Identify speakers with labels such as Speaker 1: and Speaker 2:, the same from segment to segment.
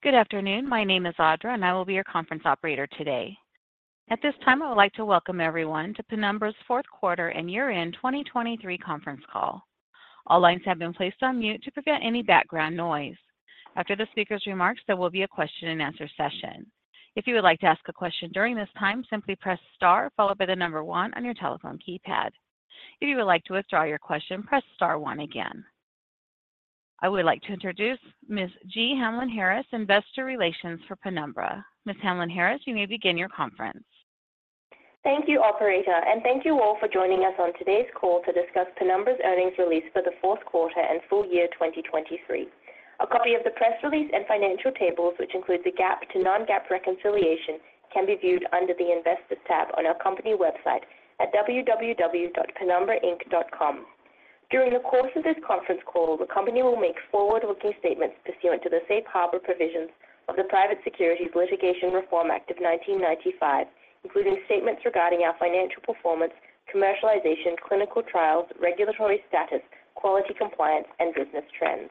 Speaker 1: Good afternoon. My name is Audra, and I will be your conference operator today. At this time, I would like to welcome everyone to Penumbra's fourth quarter and year-end 2023 conference call. All lines have been placed on mute to prevent any background noise. After the speaker's remarks, there will be a question and answer session. If you would like to ask a question during this time, simply press star, followed by the number one on your telephone keypad. If you would like to withdraw your question, press star one again. I would like to introduce Ms. Jee Hamlyn-Harris, Investor Relations for Penumbra. Ms. Hamlyn-Harris, you may begin your conference.
Speaker 2: Thank you, Operator, and thank you all for joining us on today's call to discuss Penumbra's earnings release for the fourth quarter and full year 2023. A copy of the press release and financial tables, which includes the GAAP to non-GAAP reconciliation, can be viewed under the Investors tab on our company website at www.penumbrainc.com. During the course of this conference call, the company will make forward-looking statements pursuant to the Safe Harbor Provisions of the Private Securities Litigation Reform Act of 1995, including statements regarding our financial performance, commercialization, clinical trials, regulatory status, quality, compliance, and business trends.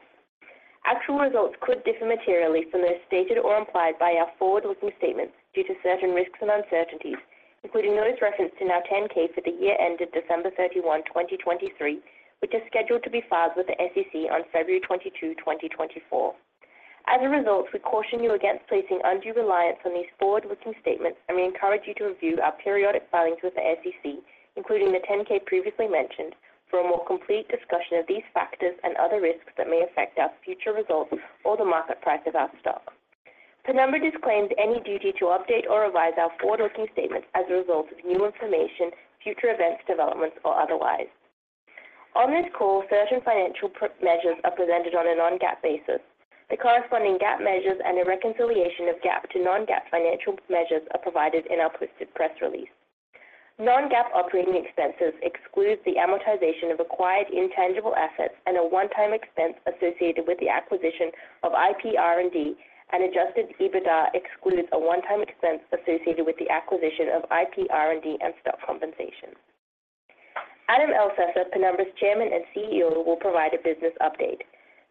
Speaker 2: Actual results could differ materially from those stated or implied by our forward-looking statements due to certain risks and uncertainties, including those referenced in our 10-K for the year ended December 31, 2023, which is scheduled to be filed with the SEC on February 22, 2024. As a result, we caution you against placing undue reliance on these forward-looking statements, and we encourage you to review our periodic filings with the SEC, including the 10-K previously mentioned, for a more complete discussion of these factors and other risks that may affect our future results or the market price of our stock. Penumbra disclaims any duty to update or revise our forward-looking statements as a result of new information, future events, developments, or otherwise. On this call, certain financial measures are presented on a non-GAAP basis. The corresponding GAAP measures and a reconciliation of GAAP to non-GAAP financial measures are provided in our posted press release. Non-GAAP operating expenses exclude the amortization of acquired intangible assets and a one-time expense associated with the acquisition of IP R&D, and adjusted EBITDA excludes a one-time expense associated with the acquisition of IP R&D and stock compensation. Adam Elsesser, Penumbra's Chairman and CEO, will provide a business update.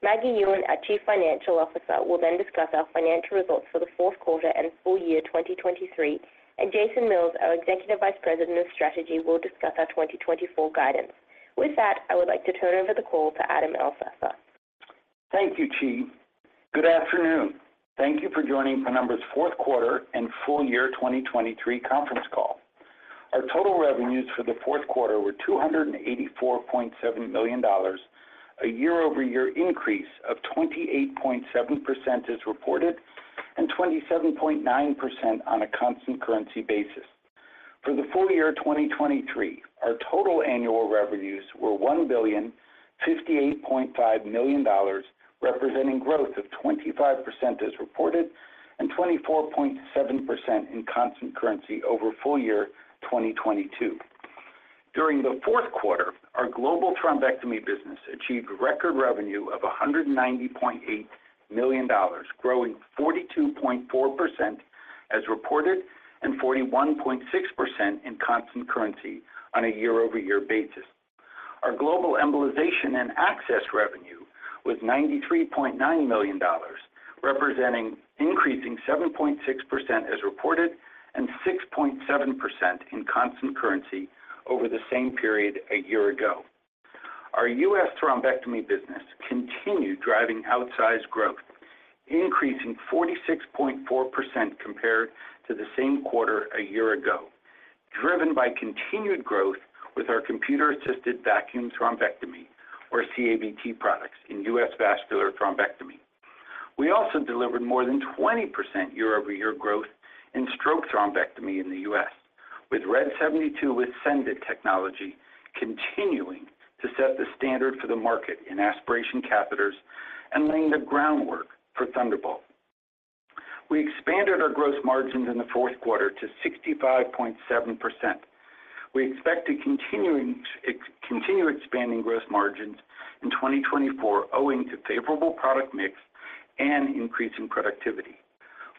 Speaker 2: Maggie Yuen, our Chief Financial Officer, will then discuss our financial results for the fourth quarter and full year 2023, and Jason Mills, our Executive Vice President of Strategy, will discuss our 2024 guidance. With that, I would like to turn over the call to Adam Elsesser.
Speaker 3: Thank you, Jee. Good afternoon. Thank you for joining Penumbra's fourth quarter and full year 2023 conference call. Our total revenues for the fourth quarter were $284,700,000, a year-over-year increase of 28.7% as reported, and 27.9% on a constant currency basis. For the full year 2023, our total annual revenues were $1,058,500,000, representing growth of 25% as reported and 24.7% in constant currency over full year 2022. During the fourth quarter, our global thrombectomy business achieved record revenue of $190,800,000, growing 42.4% as reported, and 41.6% in constant currency on a year-over-year basis. Our global embolization and access revenue was $93,900,000, representing increasing 7.6% as reported and 6.7% in constant currency over the same period a year ago. Our U.S. thrombectomy business continued driving outsized growth, increasing 46.4% compared to the same quarter a year ago, driven by continued growth with our computer-assisted vacuum thrombectomy, or CAVT products in U.S. vascular thrombectomy. We also delivered more than 20% year-over-year growth in stroke thrombectomy in the U.S., with RED 72 with SENDit technology, continuing to set the standard for the market in aspiration catheters and laying the groundwork for Thunderbolt. We expanded our gross margins in the fourth quarter to 65.7%. We expect to continue expanding gross margins in 2024, owing to favorable product mix and increase in productivity.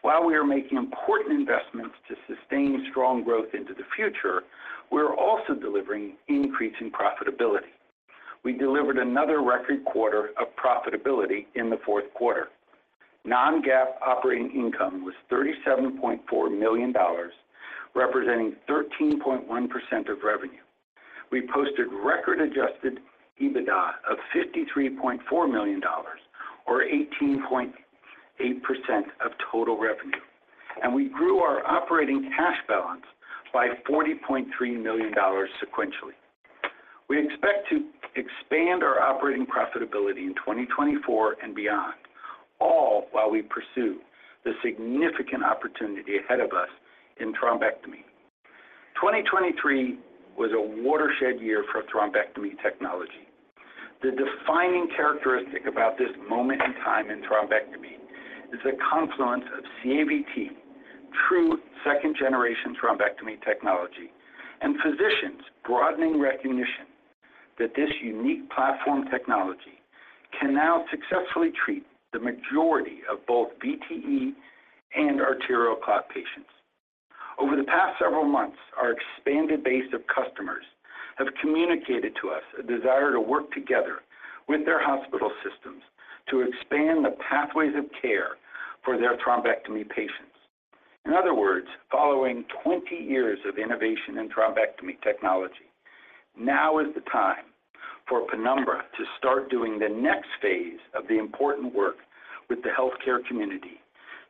Speaker 3: While we are making important investments to sustain strong growth into the future, we're also delivering increasing profitability. We delivered another record quarter of profitability in the fourth quarter. Non-GAAP operating income was $37,400,000, representing 13.1% of revenue. We posted record adjusted EBITDA of $53,400,000, or 18.8% of total revenue, and we grew our operating cash balance by $40,300,000 sequentially. We expect to expand our operating profitability in 2024 and beyond, all while we pursue the significant opportunity ahead of us in thrombectomy. 2023 was a watershed year for thrombectomy technology. The defining characteristic about this moment in time in thrombectomy is a confluence of CAVT, true second-generation thrombectomy technology, and physicians' broadening recognition that this unique platform technology can now successfully treat the majority of both VTE and arterial clot patients. Over the past several months, our expanded base of customers have communicated to us a desire to work together with their hospital systems to expand the pathways of care for their thrombectomy patients. In other words, following 20 years of innovation in thrombectomy technology, now is the time for Penumbra to start doing the next phase of the important work with the healthcare community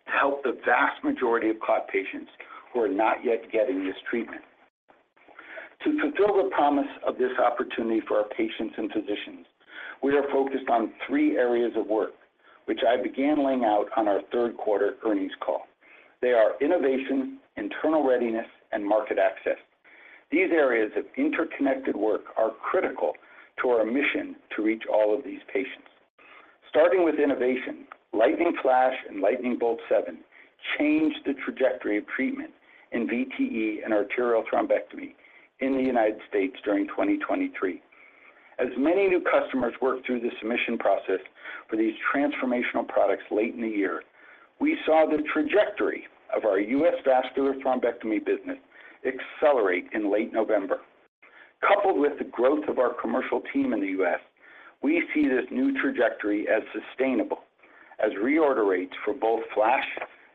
Speaker 3: to help the vast majority of clot patients who are not yet getting this treatment. To fulfill the promise of this opportunity for our patients and physicians, we are focused on three areas of work, which I began laying out on our third quarter earnings call. They are innovation, internal readiness, and market access. These areas of interconnected work are critical to our mission to reach all of these patients. Starting with innovation, Lightning Flash and Lightning Bolt 7 changed the trajectory of treatment in VTE and arterial thrombectomy in the United States during 2023. As many new customers worked through the submission process for these transformational products late in the year, we saw the trajectory of our U.S. vascular thrombectomy business accelerate in late November. Coupled with the growth of our commercial team in the U.S., we see this new trajectory as sustainable, as reorder rates for both Flash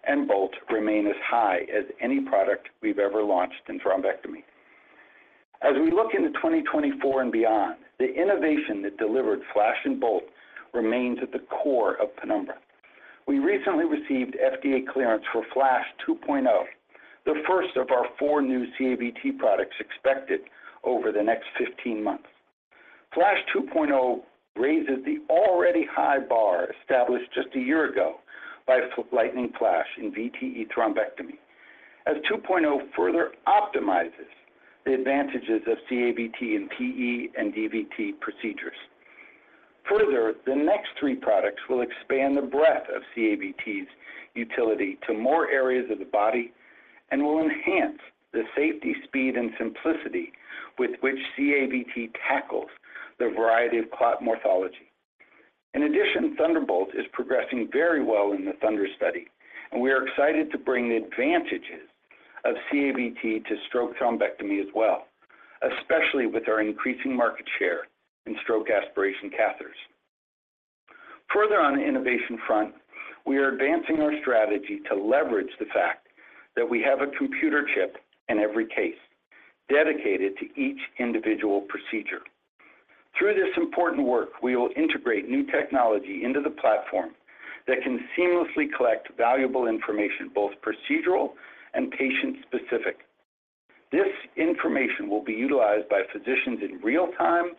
Speaker 3: and Bolt remain as high as any product we've ever launched in thrombectomy. As we look into 2024 and beyond, the innovation that delivered Flash and Bolt remains at the core of Penumbra. We recently received FDA clearance for Flash 2.0, the first of our four new CAVT products expected over the next 15 months. Flash 2.0 raises the already high bar established just a year ago by Lightning Flash in VTE thrombectomy, as 2.0 further optimizes the advantages of CAVT in PE and DVT procedures. Further, the next three products will expand the breadth of CAVT's utility to more areas of the body and will enhance the safety, speed, and simplicity with which CAVT tackles the variety of clot morphology. In addition, Thunderbolt is progressing very well in the THUNDER study, and we are excited to bring the advantages of CAVT to stroke thrombectomy as well, especially with our increasing market share in stroke aspiration catheters. Further on the innovation front, we are advancing our strategy to leverage the fact that we have a computer chip in every case dedicated to each individual procedure. Through this important work, we will integrate new technology into the platform that can seamlessly collect valuable information, both procedural and patient-specific. This information will be utilized by physicians in real time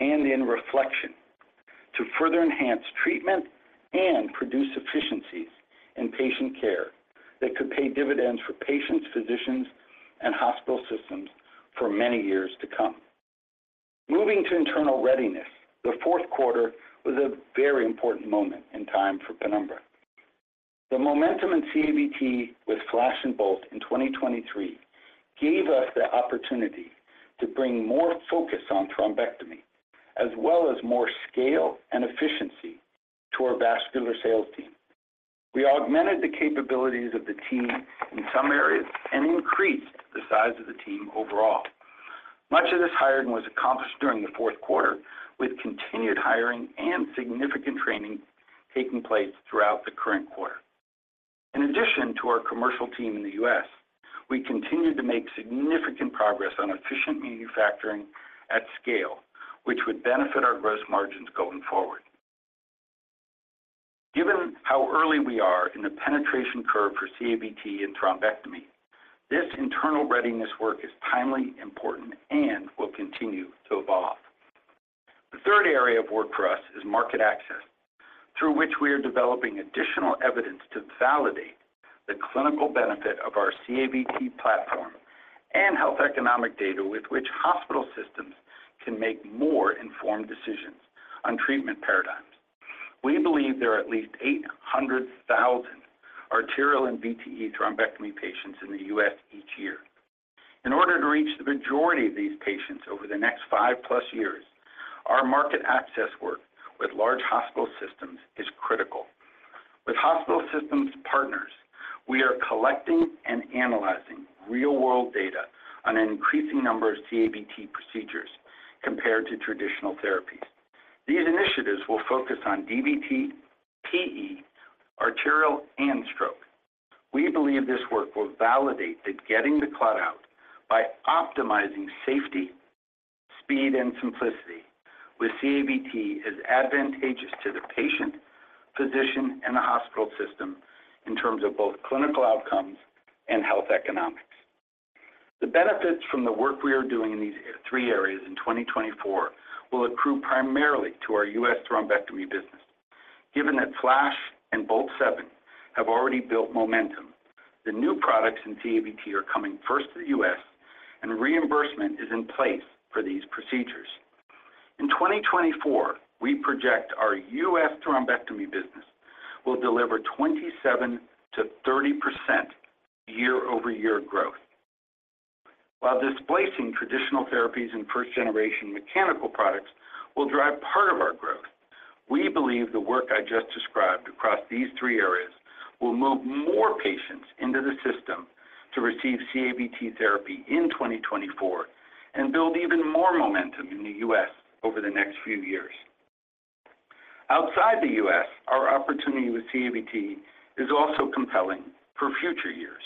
Speaker 3: and in reflection to further enhance treatment and produce efficiencies in patient care that could pay dividends for patients, physicians, and hospital systems for many years to come. Moving to internal readiness, the fourth quarter was a very important moment in time for Penumbra. The momentum in CAVT with Flash and Bolt in 2023 gave us the opportunity to bring more focus on thrombectomy, as well as more scale and efficiency to our vascular sales team. We augmented the capabilities of the team in some areas and increased the size of the team overall. Much of this hiring was accomplished during the fourth quarter, with continued hiring and significant training taking place throughout the current quarter. In addition to our commercial team in the U.S., we continued to make significant progress on efficient manufacturing at scale, which would benefit our gross margins going forward. Given how early we are in the penetration curve for CAVT and thrombectomy, this internal readiness work is timely, important, and will continue to evolve. The third area of work for us is market access, through which we are developing additional evidence to validate the clinical benefit of our CAVT platform and health economic data with which hospital systems can make more informed decisions on treatment paradigms. We believe there are at least 800,000 arterial and VTE thrombectomy patients in the U.S. each year. In order to reach the majority of these patients over the next 5+ years, our market access work with large hospital systems is critical. With hospital systems partners, we are collecting and analyzing real-world data on an increasing number of CAVT procedures compared to traditional therapies. These initiatives will focus on DVT, PE, arterial, and stroke. We believe this work will validate that getting the clot out by optimizing safety, speed, and simplicity with CAVT is advantageous to the patient, physician, and the hospital system in terms of both clinical outcomes and health economics. The benefits from the work we are doing in these three areas in 2024 will accrue primarily to our U.S. thrombectomy business. Given that Flash and Bolt 7 have already built momentum, the new products in CAVT are coming first to the U.S., and reimbursement is in place for these procedures. In 2024, we project our U.S. thrombectomy business will deliver 27%-30% year-over-year growth.... While displacing traditional therapies and first-generation mechanical products will drive part of our growth, we believe the work I just described across these three areas will move more patients into the system to receive CAVT therapy in 2024 and build even more momentum in the U.S. over the next few years. Outside the U.S., our opportunity with CAVT is also compelling for future years,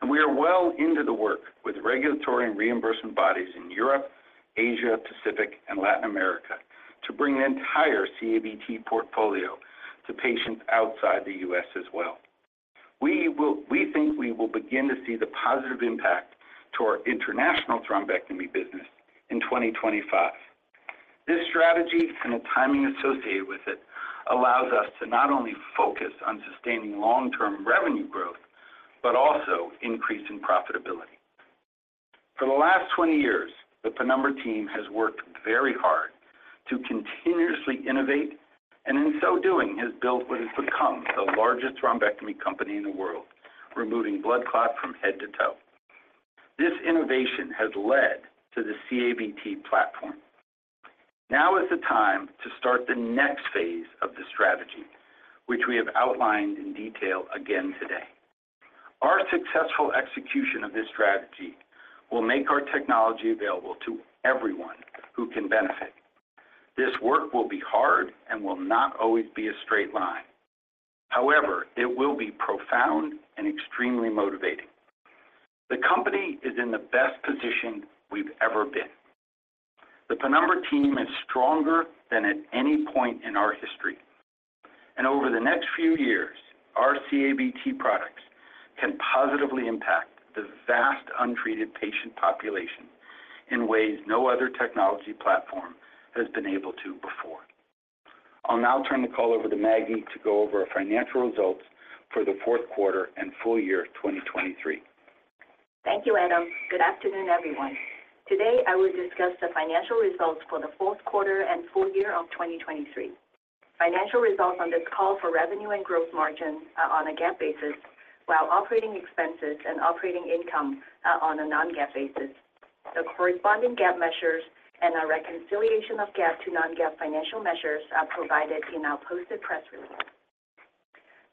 Speaker 3: and we are well into the work with regulatory and reimbursement bodies in Europe, Asia Pacific, and Latin America to bring the entire CAVT portfolio to patients outside the U.S. as well. We think we will begin to see the positive impact to our international thrombectomy business in 2025. This strategy and the timing associated with it allows us to not only focus on sustaining long-term revenue growth, but also increasing profitability. For the last 20 years, the Penumbra team has worked very hard to continuously innovate, and in so doing, has built what has become the largest thrombectomy company in the world, removing blood clot from head to toe. This innovation has led to the CAVT platform. Now is the time to start the next phase of the strategy, which we have outlined in detail again today. Our successful execution of this strategy will make our technology available to everyone who can benefit. This work will be hard and will not always be a straight line. However, it will be profound and extremely motivating. The company is in the best position we've ever been. The Penumbra team is stronger than at any point in our history, and over the next few years, our CAVT products can positively impact the vast untreated patient population in ways no other technology platform has been able to before. I'll now turn the call over to Maggie to go over our financial results for the fourth quarter and full year of 2023.
Speaker 4: Thank you, Adam. Good afternoon, everyone. Today, I will discuss the financial results for the fourth quarter and full year of 2023. Financial results on this call for revenue and growth margins are on a GAAP basis, while operating expenses and operating income are on a non-GAAP basis. The corresponding GAAP measures and our reconciliation of GAAP to non-GAAP financial measures are provided in our posted press release.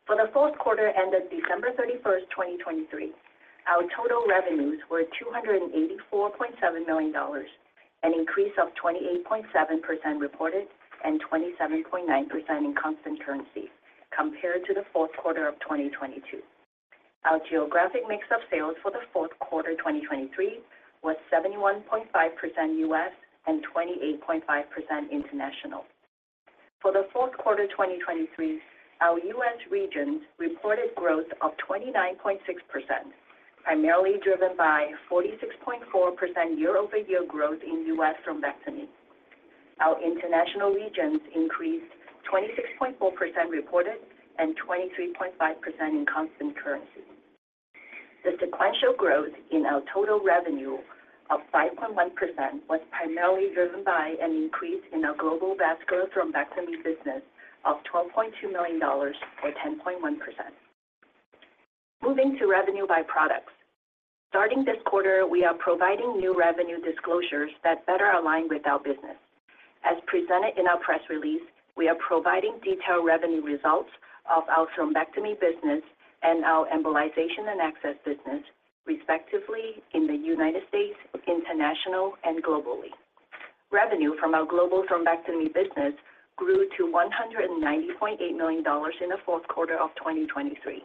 Speaker 4: For the fourth quarter ended December 31st, 2023, our total revenues were $284,700,000, an increase of 28.7% reported and 27.9% in constant currency compared to the fourth quarter of 2022. Our geographic mix of sales for the fourth quarter 2023 was 71.5% U.S. and 28.5% international. For the fourth quarter of 2023, our U.S. regions reported growth of 29.6%, primarily driven by 46.4% year-over-year growth in U.S. thrombectomy. Our international regions increased 26.4% reported and 23.5% in constant currency. The sequential growth in our total revenue of 5.1% was primarily driven by an increase in our global vascular thrombectomy business of $12,200,000, or 10.1%. Moving to revenue by products. Starting this quarter, we are providing new revenue disclosures that better align with our business. As presented in our press release, we are providing detailed revenue results of our thrombectomy business and our embolization and access business, respectively, in the United States, international, and globally. Revenue from our global thrombectomy business grew to $190,800,000 in the fourth quarter of 2023,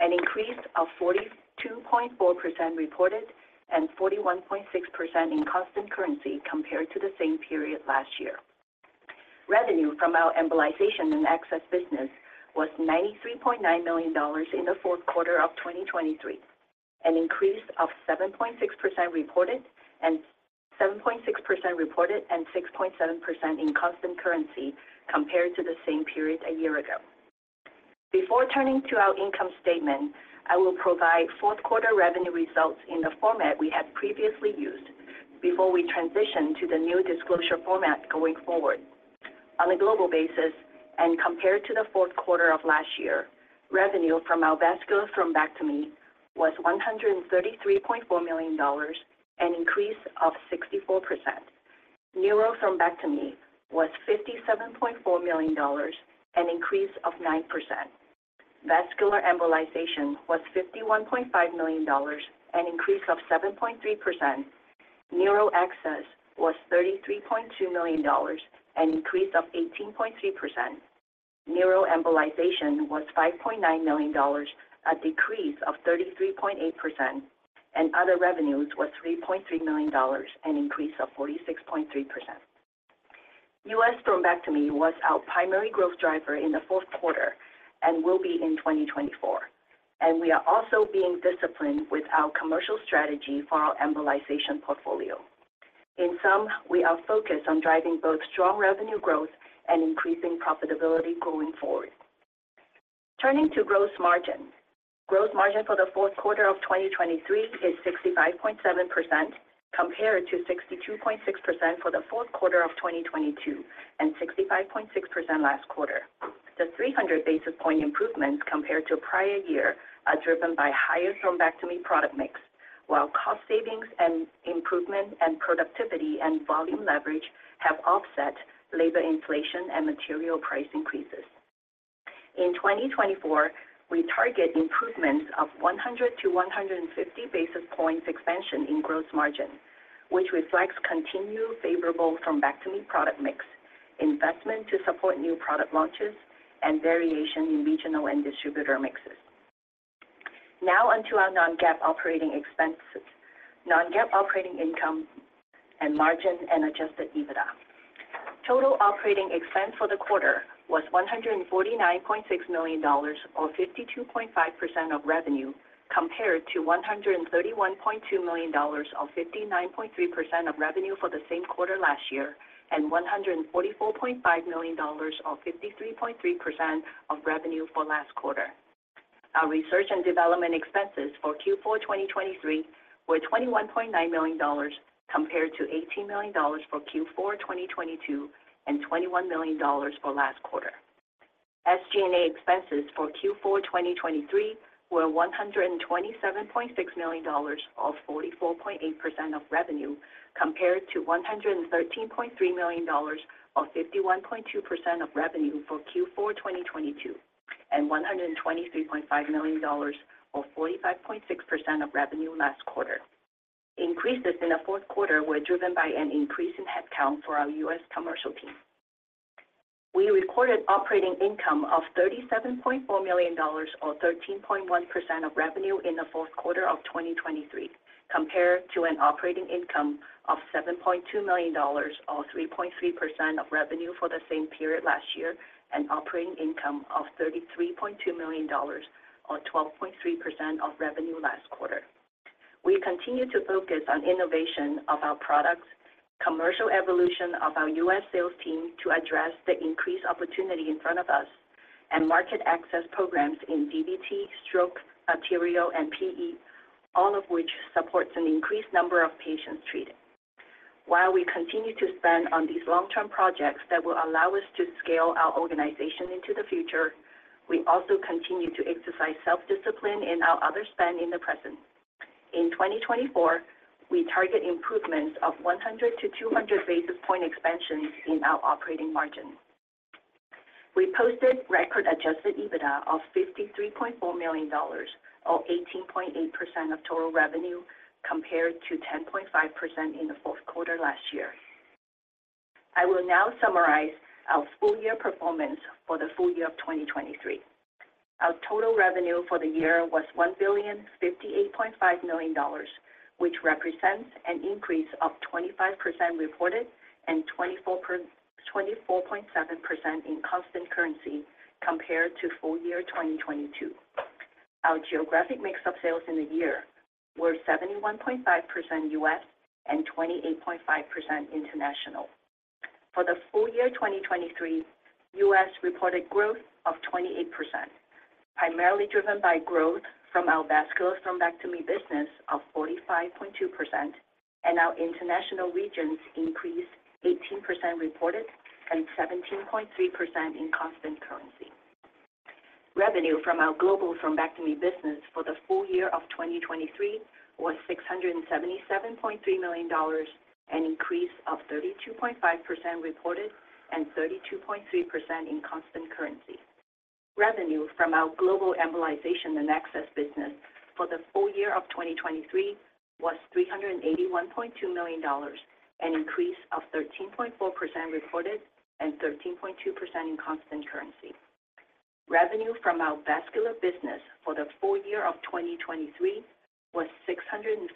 Speaker 4: an increase of 42.4% reported and 41.6% in constant currency compared to the same period last year. Revenue from our embolization and access business was $93,900,000 in the fourth quarter of 2023, an increase of 7.6% reported and 6.7% in constant currency compared to the same period a year ago. Before turning to our income statement, I will provide fourth quarter revenue results in the format we had previously used before we transition to the new disclosure format going forward. On a global basis, and compared to the fourth quarter of last year, revenue from our vascular thrombectomy was $133,400,000, an increase of 64%. Neuro thrombectomy was $57,400,000, an increase of 9%. Vascular embolization was $51,500,000, an increase of 7.3%. Neuro access was $33,200,000, an increase of 18.3%. Neuro embolization was $5,900,000, a decrease of 33.8%, and other revenues were $3,300,000, an increase of 46.3%. US thrombectomy was our primary growth driver in the fourth quarter and will be in 2024, and we are also being disciplined with our commercial strategy for our embolization portfolio. In sum, we are focused on driving both strong revenue growth and increasing profitability going forward. Turning to gross margin. Gross margin for the fourth quarter of 2023 is 65.7%, compared to 62.6% for the fourth quarter of 2022, and 65.6% last quarter. The 300 basis point improvements compared to prior year are driven by higher thrombectomy product mix, while cost savings and improvement and productivity and volume leverage have offset labor inflation and material price increases. In 2024, we target improvements of 100-150 basis points expansion in gross margin, which reflects continued favorable thrombectomy product mix, investment to support new product launches, and variation in regional and distributor mixes. Now on to our non-GAAP operating expenses, non-GAAP operating income and margin and adjusted EBITDA. Total operating expense for the quarter was $149,600,000, or 52.5% of revenue, compared to $131,200,000, or 59.3% of revenue for the same quarter last year, and $144,500,000, or 53.3% of revenue for last quarter. Our research and development expenses for Q4 2023 were $21,900,000 compared to $18,000,000 for Q4 2022, and $21,000,000 for last quarter. SG&A expenses for Q4 2023 were $127,600,000, or 44.8% of revenue, compared to $113,300,000 or 51.2% of revenue for Q4 2022, and $123,500,000, or 45.6% of revenue last quarter. Increases in the fourth quarter were driven by an increase in headcount for our U.S. commercial team. We recorded operating income of $37,4000,000, or 13.1% of revenue, in the fourth quarter of 2023, compared to an operating income of $7,200,000, or 3.3% of revenue for the same period last year, and operating income of $33,200,000, or 12.3% of revenue last quarter. We continue to focus on innovation of our products, commercial evolution of our U.S. sales team to address the increased opportunity in front of us, and market access programs in DVT, stroke, arterial, and PE, all of which supports an increased number of patients treated. While we continue to spend on these long-term projects that will allow us to scale our organization into the future, we also continue to exercise self-discipline in our other spend in the present. In 2024, we target improvements of 100-200 basis point expansions in our operating margin. We posted record adjusted EBITDA of $53,400,000, or 18.8% of total revenue, compared to 10.5% in the fourth quarter last year. I will now summarize our full-year performance for the full year of 2023. Our total revenue for the year was $1,058,500,000, which represents an increase of 25% reported and 24.7% in constant currency compared to full year 2022. Our geographic mix of sales in the year were 71.5% US and 28.5% international. For the full year 2023, US reported growth of 28%, primarily driven by growth from our vascular thrombectomy business of 45.2%, and our international regions increased 18% reported and 17.3% in constant currency. Revenue from our global thrombectomy business for the full year of 2023 was $677,300,000, an increase of 32.5% reported and 32.3% in constant currency. Revenue from our global embolization and access business for the full year of 2023 was $381,200,000, an increase of 13.4% reported and 13.2% in constant currency. Revenue from our vascular business for the full year of 2023 was $652,400,000,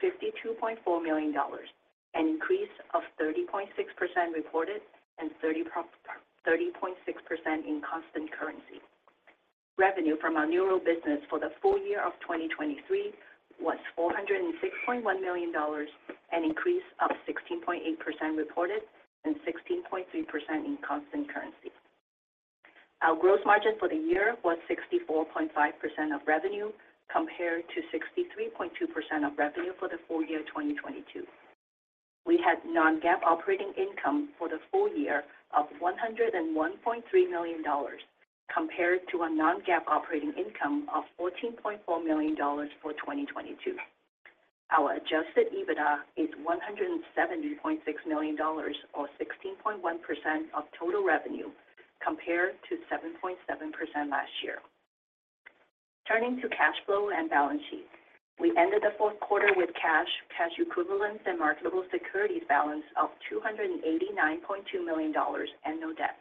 Speaker 4: an increase of 30.6% reported and 30.6% in constant currency. Revenue from our neural business for the full year of 2023 was $406,100,000, an increase of 16.8% reported and 16.3% in constant currency. Our gross margin for the year was 64.5% of revenue, compared to 63.2% of revenue for the full year 2022. We had non-GAAP operating income for the full year of $101,300,000, compared to a non-GAAP operating income of $14,400,000 for 2022. Our adjusted EBITDA is $170,600,000, or 16.1% of total revenue, compared to 7.7% last year. Turning to cash flow and balance sheet. We ended the fourth quarter with cash, cash equivalents, and marketable securities balance of $289,200,000 and no debt,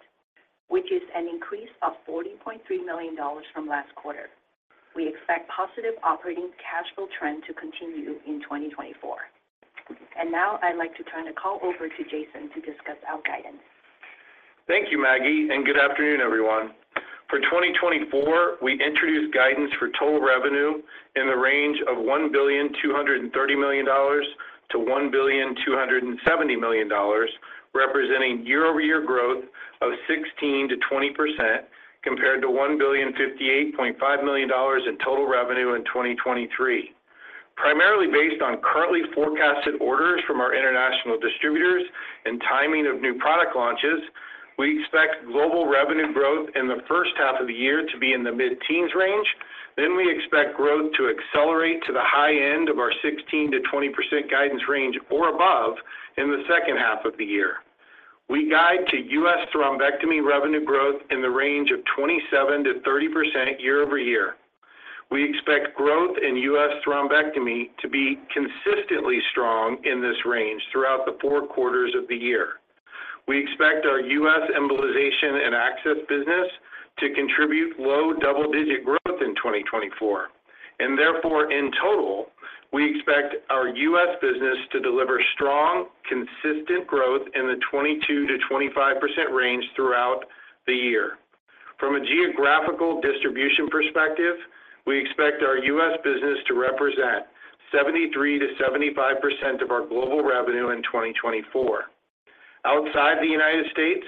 Speaker 4: which is an increase of $40,300,000 from last quarter. We expect positive operating cash flow trend to continue in 2024. Now I'd like to turn the call over to Jason to discuss our guidance.
Speaker 5: Thank you, Maggie, and good afternoon, everyone. For 2024, we introduced guidance for total revenue in the range of $1,230,000,000-$1,270,000,000, representing year-over-year growth of 16%-20%, compared to $1,058,500,000 in total revenue in 2023....primarily based on currently forecasted orders from our international distributors and timing of new product launches, we expect global revenue growth in the first half of the year to be in the mid-teens range. Then we expect growth to accelerate to the high end of our 16%-20% guidance range or above in the second half of the year. We guide to U.S. thrombectomy revenue growth in the range of 27%-30% year-over-year. We expect growth in U.S. thrombectomy to be consistently strong in this range throughout the 4 quarters of the year. We expect our U.S. embolization and access business to contribute low double-digit growth in 2024, and therefore, in total, we expect our U.S. business to deliver strong, consistent growth in the 22%-25% range throughout the year. From a geographical distribution perspective, we expect our U.S. business to represent 73%-75% of our global revenue in 2024. Outside the United States,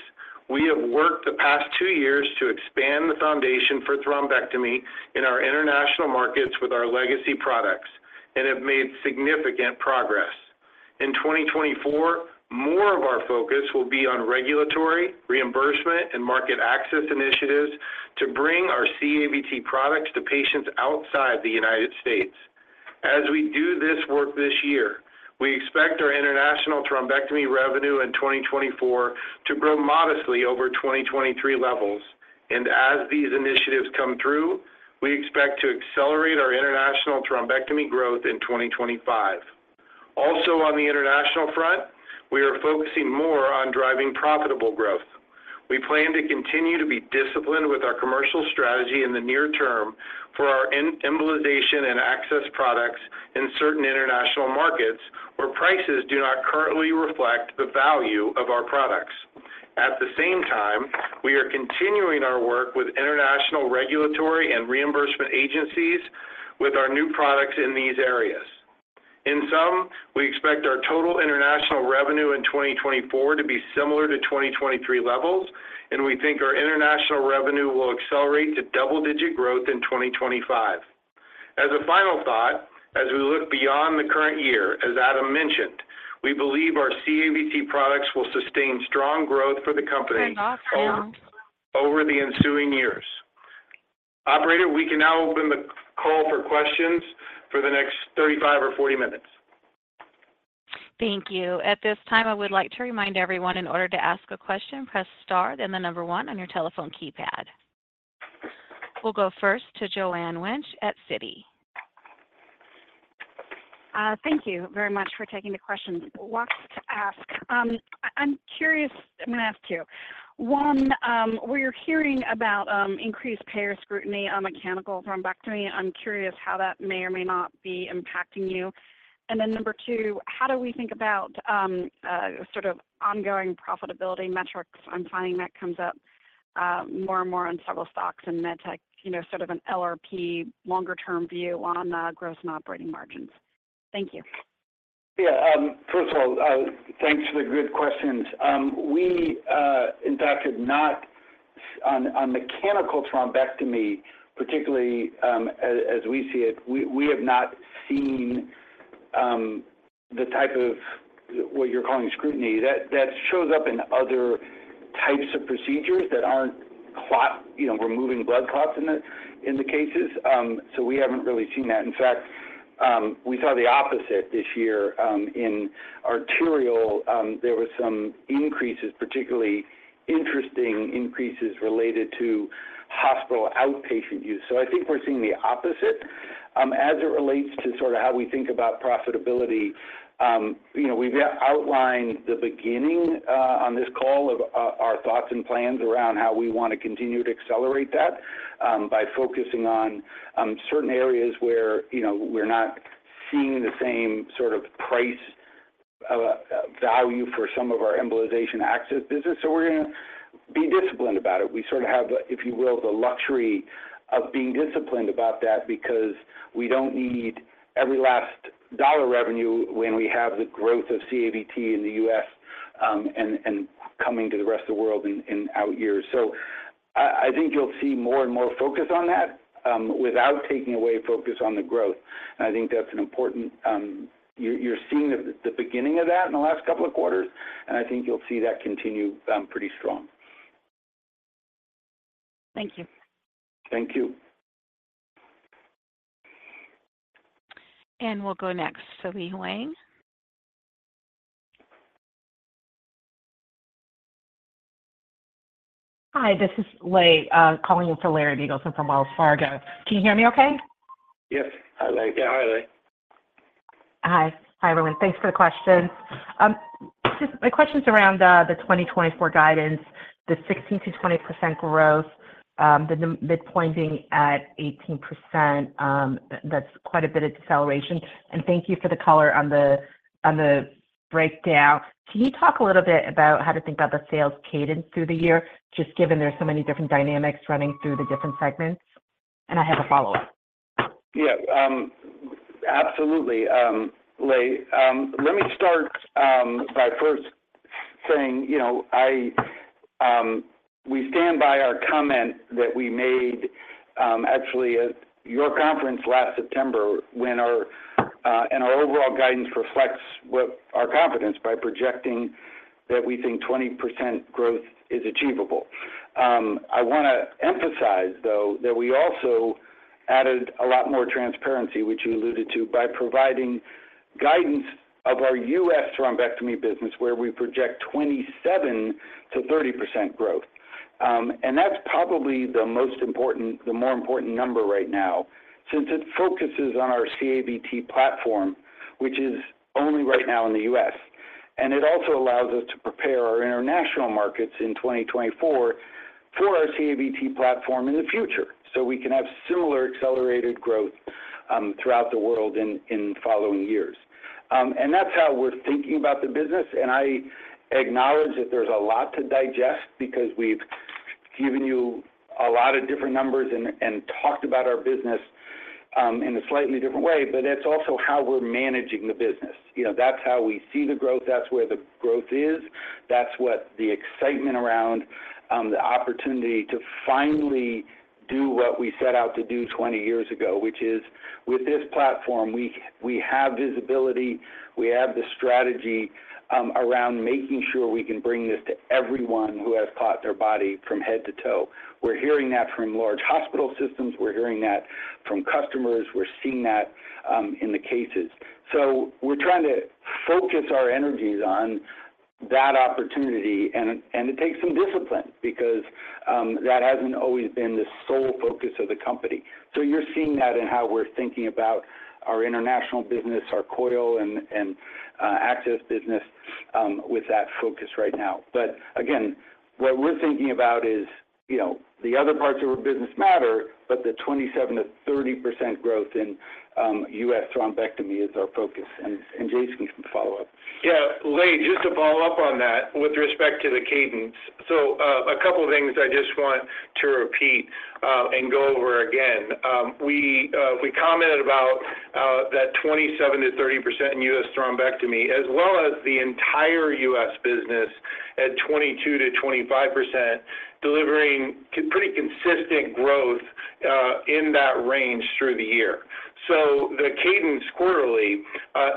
Speaker 5: we have worked the past 2 years to expand the foundation for thrombectomy in our international markets with our legacy products and have made significant progress. In 2024, more of our focus will be on regulatory, reimbursement, and market access initiatives to bring our CAVT products to patients outside the United States. As we do this work this year, we expect our international thrombectomy revenue in 2024 to grow modestly over 2023 levels, and as these initiatives come through, we expect to accelerate our international thrombectomy growth in 2025. Also, on the international front, we are focusing more on driving profitable growth. We plan to continue to be disciplined with our commercial strategy in the near term for our embolization and access products in certain international markets, where prices do not currently reflect the value of our products. At the same time, we are continuing our work with international regulatory and reimbursement agencies with our new products in these areas. In sum, we expect our total international revenue in 2024 to be similar to 2023 levels, and we think our international revenue will accelerate to double-digit growth in 2025. As a final thought, as we look beyond the current year, as Adam mentioned, we believe our CAVT products will sustain strong growth for the company over the ensuing years. Operator, we can now open the call for questions for the next 35 or 40 minutes.
Speaker 1: Thank you. At this time, I would like to remind everyone in order to ask a question, press Star, then the number one on your telephone keypad. We'll go first to Joanne Wuensch at Citi.
Speaker 6: Thank you very much for taking the questions. I'm curious. I'm going to ask two. One, we're hearing about increased payer scrutiny on mechanical thrombectomy. I'm curious how that may or may not be impacting you. And then number two, how do we think about sort of ongoing profitability metrics? I'm finding that comes up more and more on several stocks and med tech, you know, sort of an LRP, longer-term view on gross and operating margins. Thank you.
Speaker 3: Yeah, first of all, thanks for the good questions. We, in fact, have not, on mechanical thrombectomy, particularly, as we see it, we have not seen the type of what you're calling scrutiny. That shows up in other types of procedures that aren't clot, you know, removing blood clots in the cases. So we haven't really seen that. In fact, we saw the opposite this year, in arterial. There was some increases, particularly interesting increases related to hospital outpatient use. So I think we're seeing the opposite. As it relates to sort of how we think about profitability, you know, we've outlined the beginning on this call of our thoughts and plans around how we want to continue to accelerate that by focusing on certain areas where, you know, we're not seeing the same sort of price value for some of our embolization access business. So we're going to be disciplined about it. We sort of have, if you will, the luxury of being disciplined about that because we don't need every last dollar revenue when we have the growth of CAVT in the U.S. and coming to the rest of the world in out years. So I think you'll see more and more focus on that without taking away focus on the growth. And I think that's an important... You're seeing the beginning of that in the last couple of quarters, and I think you'll see that continue pretty strong.
Speaker 6: Thank you.
Speaker 5: Thank you.
Speaker 1: We'll go next to Lei Huang.
Speaker 7: Hi, this is Lei, calling in for Larry Biegelsen from Wells Fargo. Can you hear me okay?
Speaker 3: Yes. Hi, Lei.
Speaker 5: Yeah, hi, Lei.
Speaker 7: Hi. Hi, everyone. Thanks for the question. Just my question's around the 2024 guidance, the 16%-20% growth, the midpoint being at 18%. That's quite a bit of deceleration. And thank you for the color on the, on the breakdown. Can you talk a little bit about how to think about the sales cadence through the year, just given there's so many different dynamics running through the different segments? And I have a follow-up.
Speaker 3: Yeah, absolutely, Lei. Let me start by first-... saying, you know, I, we stand by our comment that we made, actually at your conference last September when our, and our overall guidance reflects what our confidence by projecting that we think 20% growth is achievable. I want to emphasize though, that we also added a lot more transparency, which you alluded to, by providing guidance of our U.S. thrombectomy business, where we project 27%-30% growth. And that's probably the most important, the more important number right now, since it focuses on our CAVT platform, which is only right now in the U.S. And it also allows us to prepare our international markets in 2024 for our CAVT platform in the future. So we can have similar accelerated growth, throughout the world in following years. And that's how we're thinking about the business, and I acknowledge that there's a lot to digest because we've given you a lot of different numbers and talked about our business in a slightly different way, but that's also how we're managing the business. You know, that's how we see the growth, that's where the growth is. That's what the excitement around the opportunity to finally do what we set out to do 20 years ago, which is with this platform, we have visibility, we have the strategy around making sure we can bring this to everyone who has clot in their body from head to toe. We're hearing that from large hospital systems, we're hearing that from customers, we're seeing that in the cases. So we're trying to focus our energies on that opportunity, and it takes some discipline because that hasn't always been the sole focus of the company. So you're seeing that in how we're thinking about our international business, our coil and access business, with that focus right now. But again, what we're thinking about is, you know, the other parts of our business matter, but the 27%-30% growth in U.S. thrombectomy is our focus, and Jason can follow up.
Speaker 5: Yeah, Lei, just to follow up on that with respect to the cadence. So, a couple of things I just want to repeat, and go over again. We, we commented about, that 27%-30% in U.S. thrombectomy, as well as the entire U.S. business at 22%-25%, delivering pretty consistent growth, in that range through the year. So the cadence quarterly,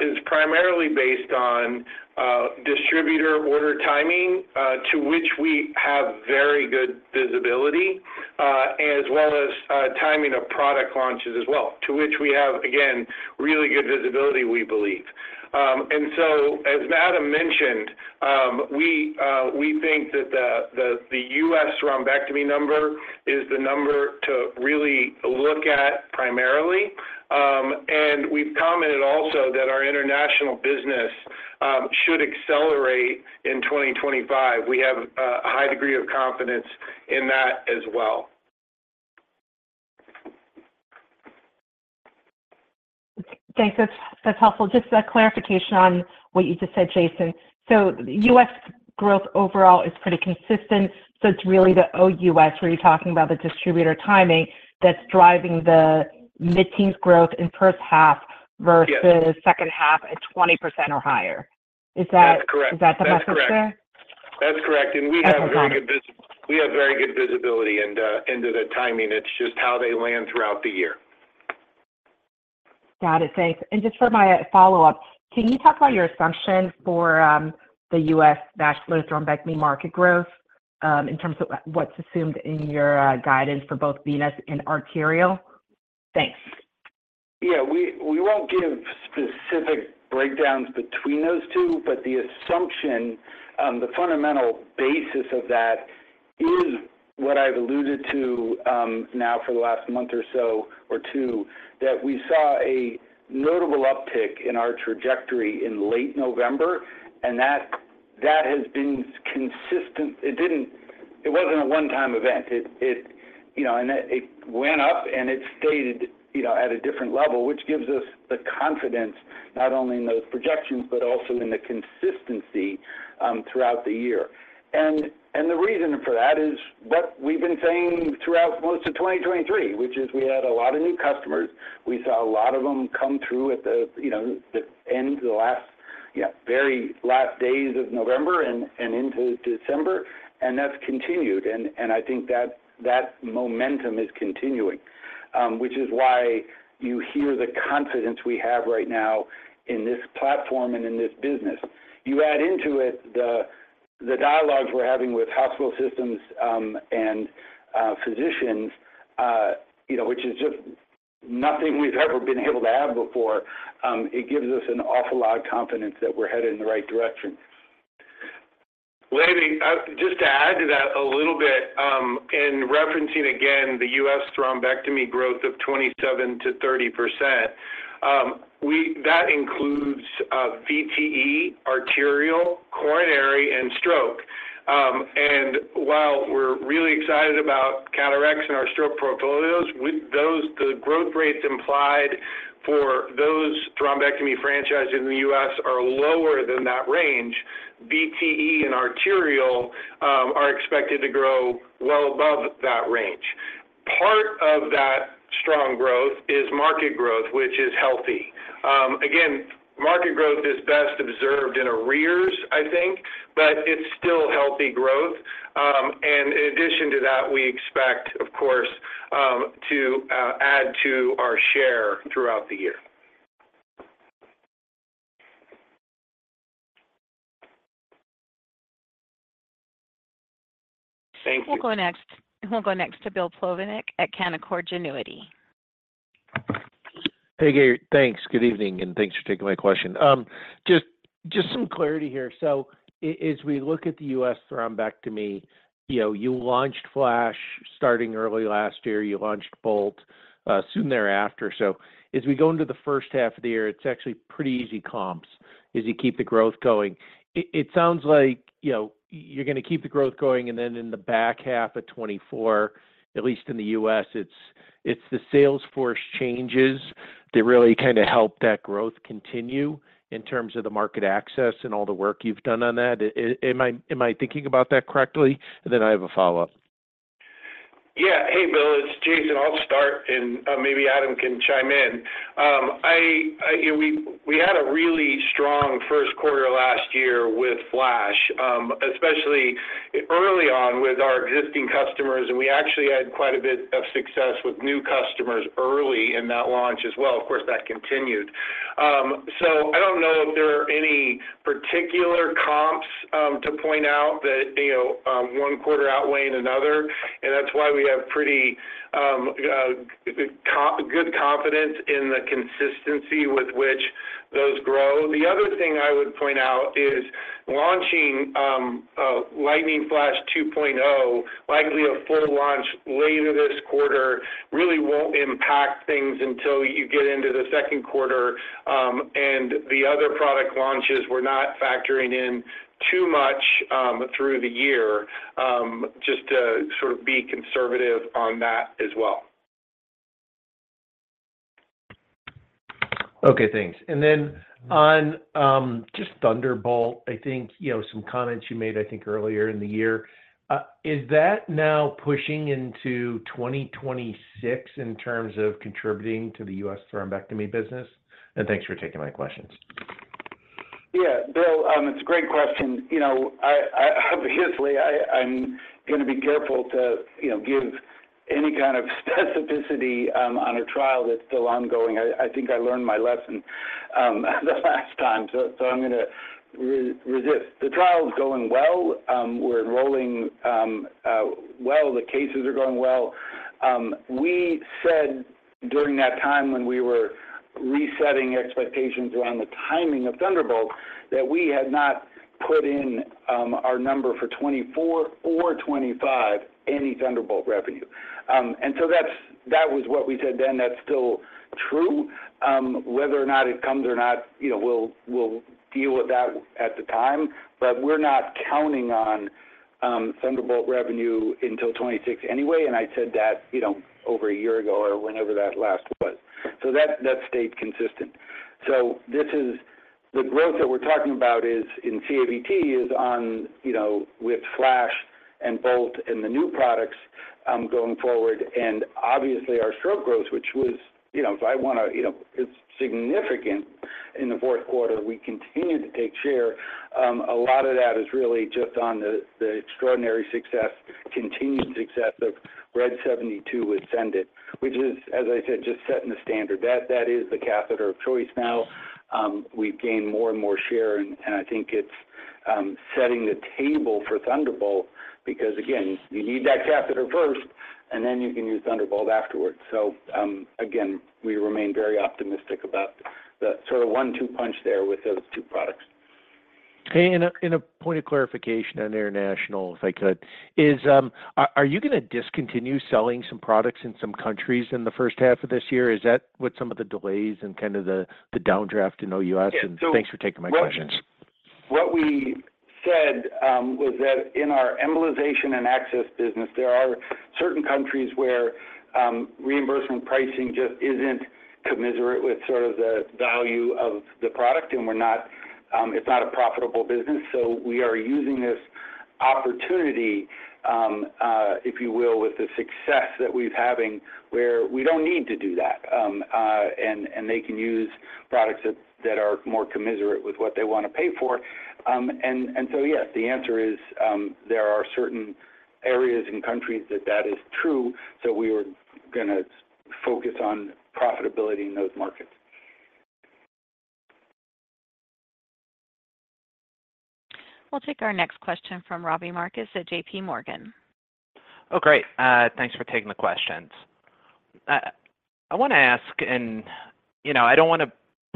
Speaker 5: is primarily based on, distributor order timing, to which we have very good visibility, as well as, timing of product launches as well, to which we have, again, really good visibility, we believe. And so as Adam mentioned, we, we think that the U.S. thrombectomy number is the number to really look at primarily. We've commented also that our international business should accelerate in 2025. We have a high degree of confidence in that as well.
Speaker 7: Thanks. That's, that's helpful. Just a clarification on what you just said, Jason. So the U.S. growth overall is pretty consistent, so it's really the OUS, where you're talking about the distributor timing, that's driving the mid-teens growth in first half versus-
Speaker 5: Yes.
Speaker 7: - second half at 20% or higher. Is that-
Speaker 5: That's correct.
Speaker 7: Is that the message there?
Speaker 5: That's correct. And we have very good visibility into the timing. It's just how they land throughout the year.
Speaker 7: Got it. Thanks. And just for my follow-up, can you talk about your assumption for the U.S. vascular thrombectomy market growth, in terms of what's assumed in your guidance for both venous and arterial? Thanks.
Speaker 3: Yeah, we won't give specific breakdowns between those two, but the assumption, the fundamental basis of that is what I've alluded to, now for the last month or so, or two, that we saw a notable uptick in our trajectory in late November, and that has been consistent. It wasn't a one-time event. It you know, and it went up and it stayed, you know, at a different level, which gives us the confidence, not only in those projections, but also in the consistency, throughout the year. And the reason for that is what we've been saying throughout most of 2023, which is we had a lot of new customers. We saw a lot of them come through at the, you know, end, the very last days of November and into December. That's continued. I think that momentum is continuing, which is why you hear the confidence we have right now in this platform and in this business. You add into it the dialogues we're having with hospital systems and physicians, you know, which is just nothing we've ever been able to have before. It gives us an awful lot of confidence that we're headed in the right direction.
Speaker 5: Leigh, just to add to that a little bit, in referencing again the U.S. thrombectomy growth of 27%-30%, that includes VTE, arterial, coronary, and stroke. And while we're really excited about CAT RX and our stroke portfolios, with those, the growth rates implied for those thrombectomy franchises in the U.S. are lower than that range. VTE and arterial are expected to grow well above that range. ...Part of that strong growth is market growth, which is healthy. Again, market growth is best observed in arrears, I think, but it's still healthy growth. And in addition to that, we expect, of course, to add to our share throughout the year. Thank you.
Speaker 1: We'll go next, we'll go next to Bill Plovanic at Canaccord Genuity.
Speaker 8: Hey, guys. Thanks. Good evening, and thanks for taking my question. Just, just some clarity here. So as we look at the U.S. thrombectomy, you know, you launched FLASH starting early last year, you launched BOLT soon thereafter. So as we go into the first half of the year, it's actually pretty easy comps as you keep the growth going. It sounds like, you know, you're going to keep the growth going, and then in the back half of 2024, at least in the U.S., it's the sales force changes that really kind of help that growth continue in terms of the market access and all the work you've done on that. Am I thinking about that correctly? And then I have a follow-up.
Speaker 5: Yeah. Hey, Bill, it's Jason. I'll start, and maybe Adam can chime in. We had a really strong first quarter last year with FLASH, especially early on with our existing customers, and we actually had quite a bit of success with new customers early in that launch as well. Of course, that continued. So I don't know if there are any particular comps to point out that, you know, one quarter outweighing another, and that's why we have pretty good confidence in the consistency with which those grow. The other thing I would point out is launching a Lightning Flash 2.0, likely a full launch later this quarter, really won't impact things until you get into the second quarter, and the other product launches, we're not factoring in too much through the year, just to sort of be conservative on that as well.
Speaker 8: Okay, thanks. And then on, just Thunderbolt, I think, you know, some comments you made, I think, earlier in the year. Is that now pushing into 2026 in terms of contributing to the US thrombectomy business? And thanks for taking my questions.
Speaker 3: Yeah, Bill, it's a great question. You know, I obviously I'm going to be careful to, you know, give any kind of specificity on a trial that's still ongoing. I think I learned my lesson the last time, so I'm going to resist. The trial is going well. We're enrolling well. The cases are going well. We said during that time when we were resetting expectations around the timing of Thunderbolt, that we had not put in our number for 2024 or 2025, any Thunderbolt revenue. And so that's, that was what we said then. That's still true. Whether or not it comes or not, you know, we'll, we'll deal with that at the time, but we're not counting on Thunderbolt revenue until 2026 anyway, and I said that, you know, over a year ago or whenever that last was. So that, that stayed consistent. So this is the growth that we're talking about is in CAVT, is on, you know, with FLASH and BOLT and the new products going forward. And obviously, our stroke growth, which was, you know, if I want to, you know, it's significant in the fourth quarter, we continued to take share. A lot of that is really just on the, the extraordinary success, continued success of RED 72 with SENDit, which is, as I said, just setting the standard. That, that is the catheter of choice now. We've gained more and more share, and I think it's setting the table for Thunderbolt because, again, you need that catheter first, and then you can use Thunderbolt afterwards. So, again, we remain very optimistic about the sort of one-two punch there with those two products.
Speaker 8: A point of clarification on international, if I could. Are you going to discontinue selling some products in some countries in the first half of this year? Is that what some of the delays and kind of the downdraft in OUS?
Speaker 3: Yeah, so-
Speaker 8: Thanks for taking my questions.
Speaker 3: What we said was that in our embolization and access business, there are certain countries where reimbursement pricing just isn't commensurate with sort of the value of the product, and we're not, it's not a profitable business. So we are using this opportunity, if you will, with the success that we're having, where we don't need to do that. And they can use products that are more commensurate with what they want to pay for. And so, yes, the answer is, there are certain areas and countries that that is true, so we are gonna focus on profitability in those markets.
Speaker 1: We'll take our next question from Robbie Marcus at J.P. Morgan.
Speaker 9: Oh, great. Thanks for taking the questions. I want to ask, and you know, I don't want to